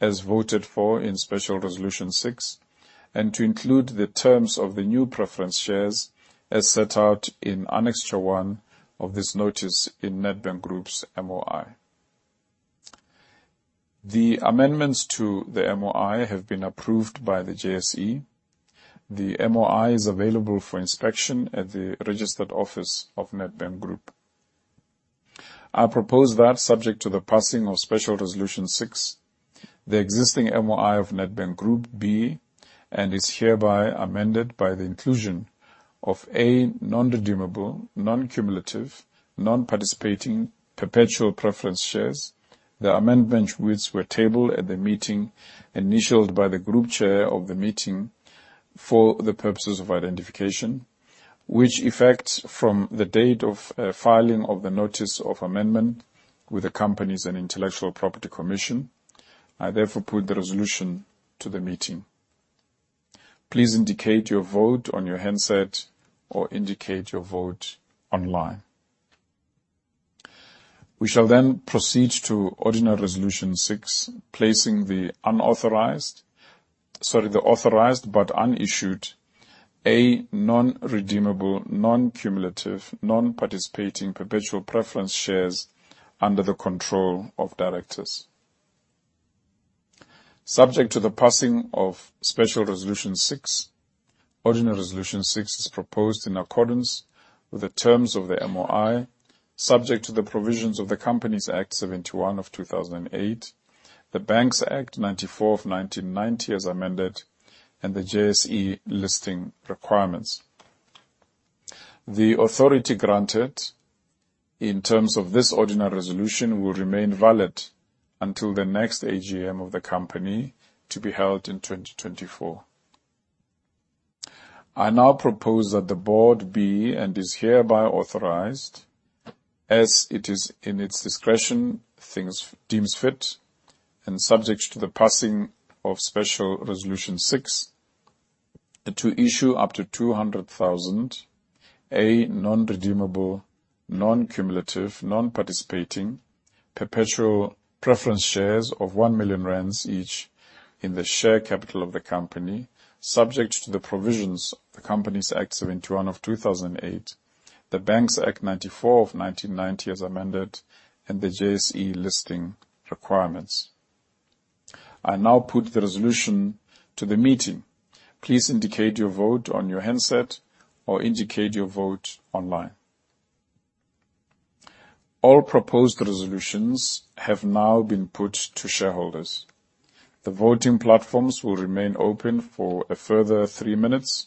as voted for in Special Resolution 6, and to include the terms of the new preference shares as set out in Annexure 1 of this notice in Nedbank Group's MOI. The amendments to the MOI have been approved by the JSE. The MOI is available for inspection at the registered office of Nedbank Group. I propose that subject to the passing of Special Resolution 6, the existing MOI of Nedbank Group be and is hereby amended by the inclusion of A non-redeemable, non-cumulative, non-participating perpetual preference shares. The amendment which were tabled at the meeting initialed by the group chair of the meeting for the purposes of identification, which effects from the date of filing of the notice of amendment with the Companies and Intellectual Property Commission. I put the resolution to the meeting. Please indicate your vote on your handset or indicate your vote online. We shall then proceed to Ordinary Resolution 6, placing the authorized but unissued A non-redeemable, non-cumulative, non-participating perpetual preference shares under the control of directors. Subject to the passing of Special Resolution 6, Ordinary Resolution 6 is proposed in accordance with the terms of the MOI, subject to the provisions of the Companies Act 71 of 2008, the Banks Act 94 of 1990 as amended, and the JSE listing requirements. The authority granted in terms of this ordinary resolution will remain valid until the next AGM of the company to be held in 2024. I now propose that the board be and is hereby authorized, as it is in its discretion deems fit, and subject to the passing of Special Resolution 6, to issue up to 200,000 A non-redeemable, non-cumulative, non-participating perpetual preference shares of 1 million rand each in the share capital of the company, subject to the provisions of the Companies Act 71 of 2008, the Banks Act 94 of 1990 as amended, and the JSE listing requirements. I now put the resolution to the meeting. Please indicate your vote on your handset or indicate your vote online. All proposed resolutions have now been put to shareholders. The voting platforms will remain open for a further three minutes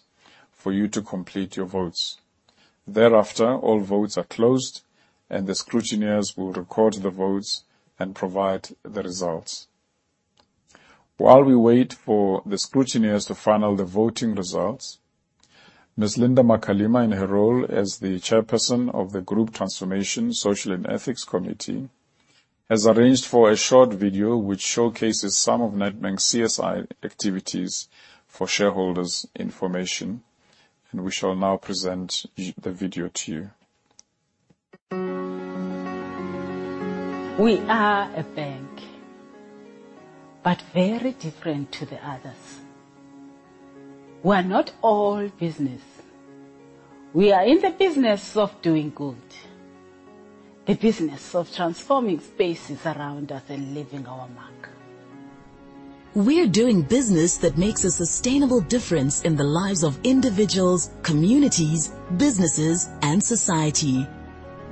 for you to complete your votes. Thereafter, all votes are closed and the scrutineers will record the votes and provide the results. While we wait for the scrutineers to final the voting results, Ms. Linda Makalima, in her role as the Chairperson of the Group Transformation, Social and Ethics Committee, has arranged for a short video which showcases some of Nedbank's CSI activities for shareholders' information. We shall now present the video to you. We are a bank, very different to the others. We're not all business. We are in the business of doing good. A business of transforming spaces around us and leaving our mark. We're doing business that makes a sustainable difference in the lives of individuals, communities, businesses, and society.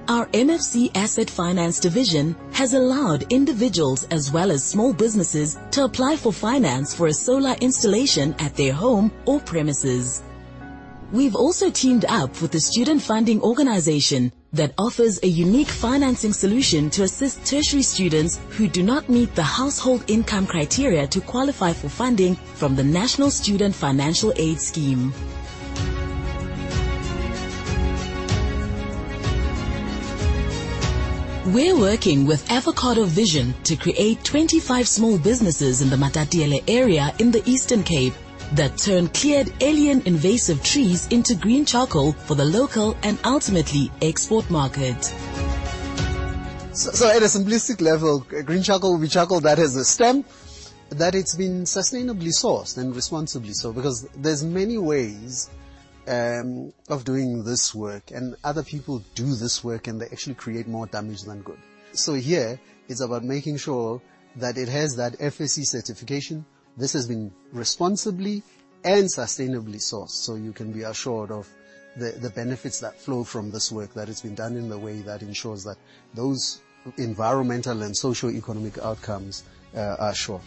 Our MFC Asset Finance division has allowed individuals as well as small businesses to apply for finance for a solar installation at their home or premises. We've also teamed up with a student funding organization that offers a unique financing solution to assist tertiary students who do not meet the household income criteria to qualify for funding from the National Student Financial Aid Scheme. We're working with Avo Vision to create 25 small businesses in the Matatiele area in the Eastern Cape that turn cleared alien invasive trees into green charcoal for the local and ultimately export market. At a simplistic level, green charcoal will be charcoal that has the stem That it's been sustainably sourced and responsibly so, because there's many ways of doing this work, and other people do this work, and they actually create more damage than good. Here, it's about making sure that it has that FSC certification. This has been responsibly and sustainably sourced, so you can be assured of the benefits that flow from this work, that it's been done in the way that ensures that those environmental and socioeconomic outcomes are assured.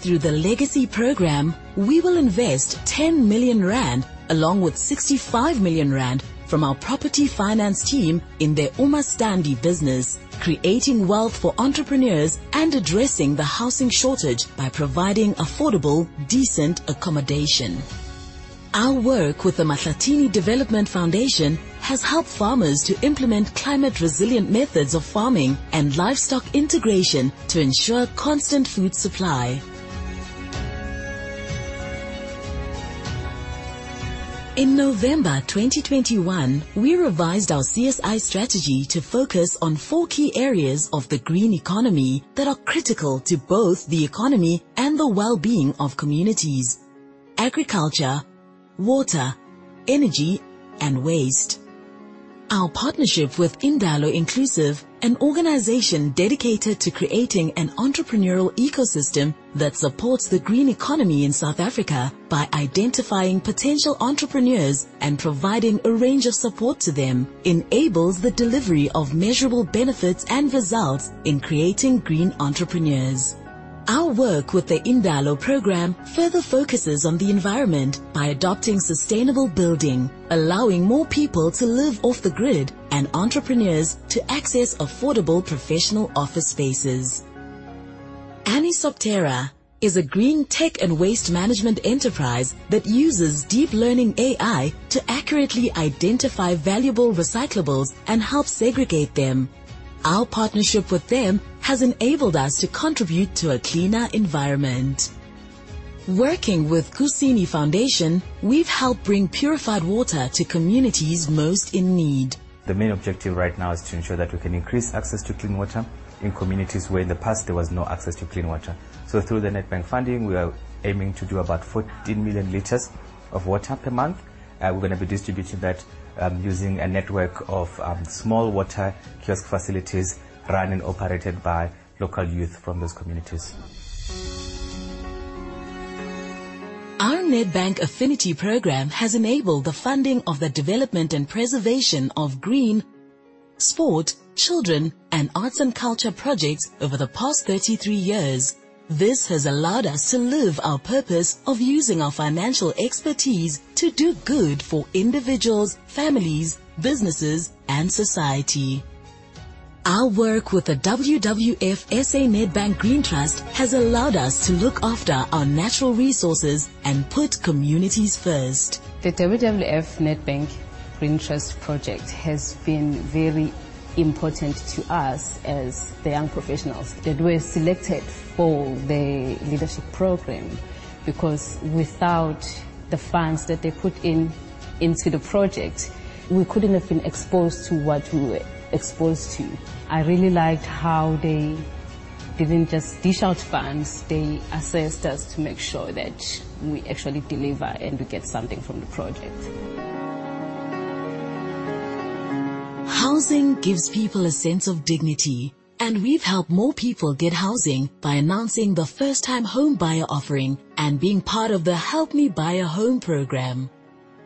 Through the Legacy program, we will invest 10 million rand, along with 65 million rand from our property finance team in their uMaStandi business, creating wealth for entrepreneurs and addressing the housing shortage by providing affordable, decent accommodation. Our work with the Mahlathini Development Foundation has helped farmers to implement climate-resilient methods of farming and livestock integration to ensure constant food supply. In November 2021, we revised our CSI strategy to focus on four key areas of the green economy that are critical to both the economy and the well-being of communities: agriculture, water, energy, and waste. Our partnership with Indalo Inclusive, an organization dedicated to creating an entrepreneurial ecosystem that supports the green economy in South Africa by identifying potential entrepreneurs and providing a range of support to them, enables the delivery of measurable benefits and results in creating green entrepreneurs. Our work with the Indalo program further focuses on the environment by adopting sustainable building, allowing more people to live off the grid, and entrepreneurs to access affordable professional office spaces. Anisoptera is a green tech and waste management enterprise that uses deep learning AI to accurately identify valuable recyclables and help segregate them. Our partnership with them has enabled us to contribute to a cleaner environment. Working with Kusini Water, we've helped bring purified water to communities most in need. The main objective right now is to ensure that we can increase access to clean water in communities where in the past there was no access to clean water. Through the Nedbank funding, we are aiming to do about 14 million liters of water per month. We're going to be distributing that using a network of small water kiosk facilities run and operated by local youth from those communities. Our Nedbank Affinity Programme has enabled the funding of the development and preservation of green, sport, children, and arts and culture projects over the past 33 years. This has allowed us to live our purpose of using our financial expertise to do good for individuals, families, businesses, and society. Our work with the WWF Nedbank Green Trust has allowed us to look after our natural resources and put communities first. The WWF Nedbank Green Trust project has been very important to us as the young professionals that were selected for the leadership program, because without the funds that they put into the project, we couldn't have been exposed to what we were exposed to. I really liked how they didn't just dish out funds, they assessed us to make sure that we actually deliver and we get something from the project. Housing gives people a sense of dignity. We've helped more people get housing by announcing the first-time homebuyer offering and being part of the Help Me Buy a Home Program.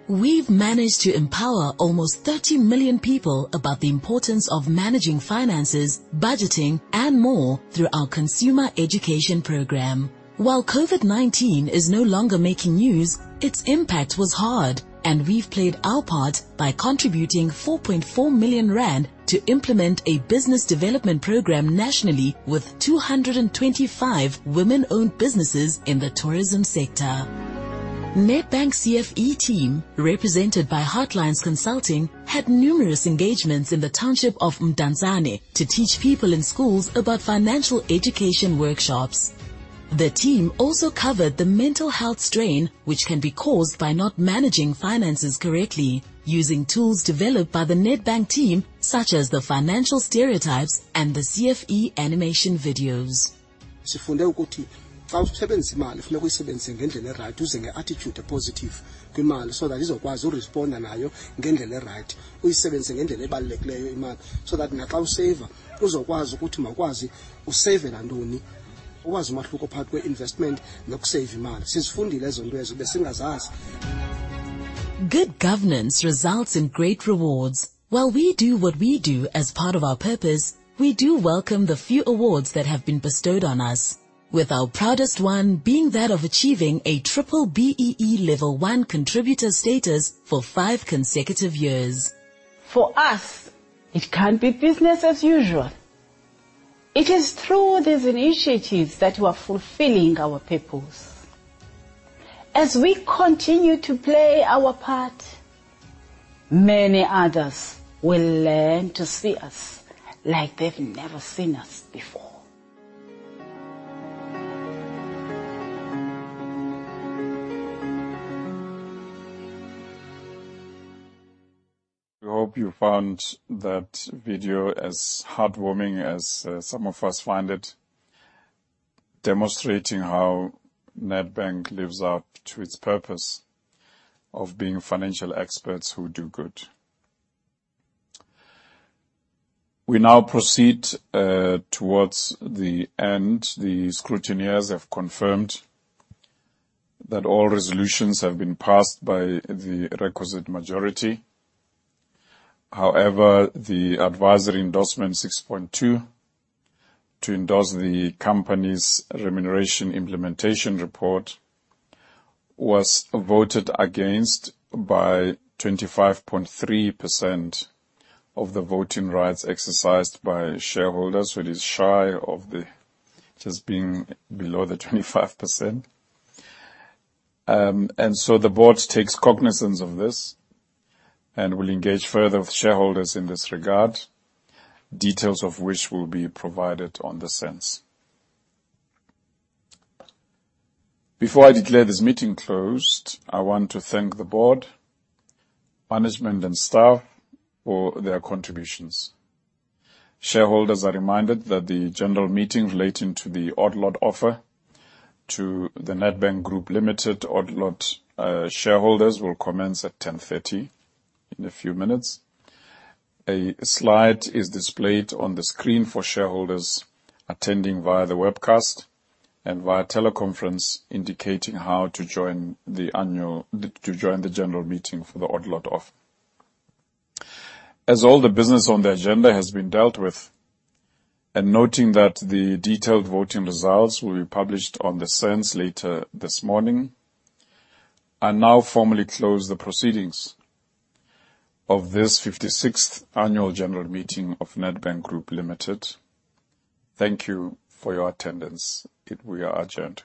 We've managed to empower almost 30 million people about the importance of managing finances, budgeting, and more through our consumer education program. While COVID-19 is no longer making news, its impact was hard, and we've played our part by contributing 4.4 million rand to implement a business development program nationally with 225 women-owned businesses in the tourism sector. Nedbank CFE team, represented by Hotlines Consulting, had numerous engagements in the township of Mdantsane to teach people in schools about financial education workshops. The team also covered the mental health strain which can be caused by not managing finances correctly, using tools developed by the Nedbank team such as the financial stereotypes and the CFE animation videos. Good governance results in great rewards. While we do what we do as part of our purpose, we do welcome the few awards that have been bestowed on us, with our proudest one being that of achieving a triple BEE level 1 contributor status for five consecutive years. For us, it can't be business as usual. It is through these initiatives that we're fulfilling our purpose. As we continue to play our part, many others will learn to see us like they've never seen us before. We hope you found that video as heartwarming as some of us find it, demonstrating how Nedbank lives up to its purpose of being financial experts who do good. We now proceed towards the end. The scrutineers have confirmed that all resolutions have been passed by the requisite majority. However, the advisory endorsement 6.2 to endorse the company's remuneration implementation report was voted against by 25.3% of the voting rights exercised by shareholders. It is shy of the Just being below the 25%. The board takes cognizance of this and will engage further with shareholders in this regard, details of which will be provided on the SENS. Before I declare this meeting closed, I want to thank the board, management, and staff for their contributions. Shareholders are reminded that the general meeting relating to the odd lot offer to the Nedbank Group Limited odd lot shareholders will commence at 10:30, in a few minutes. A slide is displayed on the screen for shareholders attending via the webcast and via teleconference, indicating how to join the general meeting for the odd lot offer. As all the business on the agenda has been dealt with, and noting that the detailed voting results will be published on the SENS later this morning, I now formally close the proceedings of this 56th annual general meeting of Nedbank Group Limited. Thank you for your attendance. We are adjourned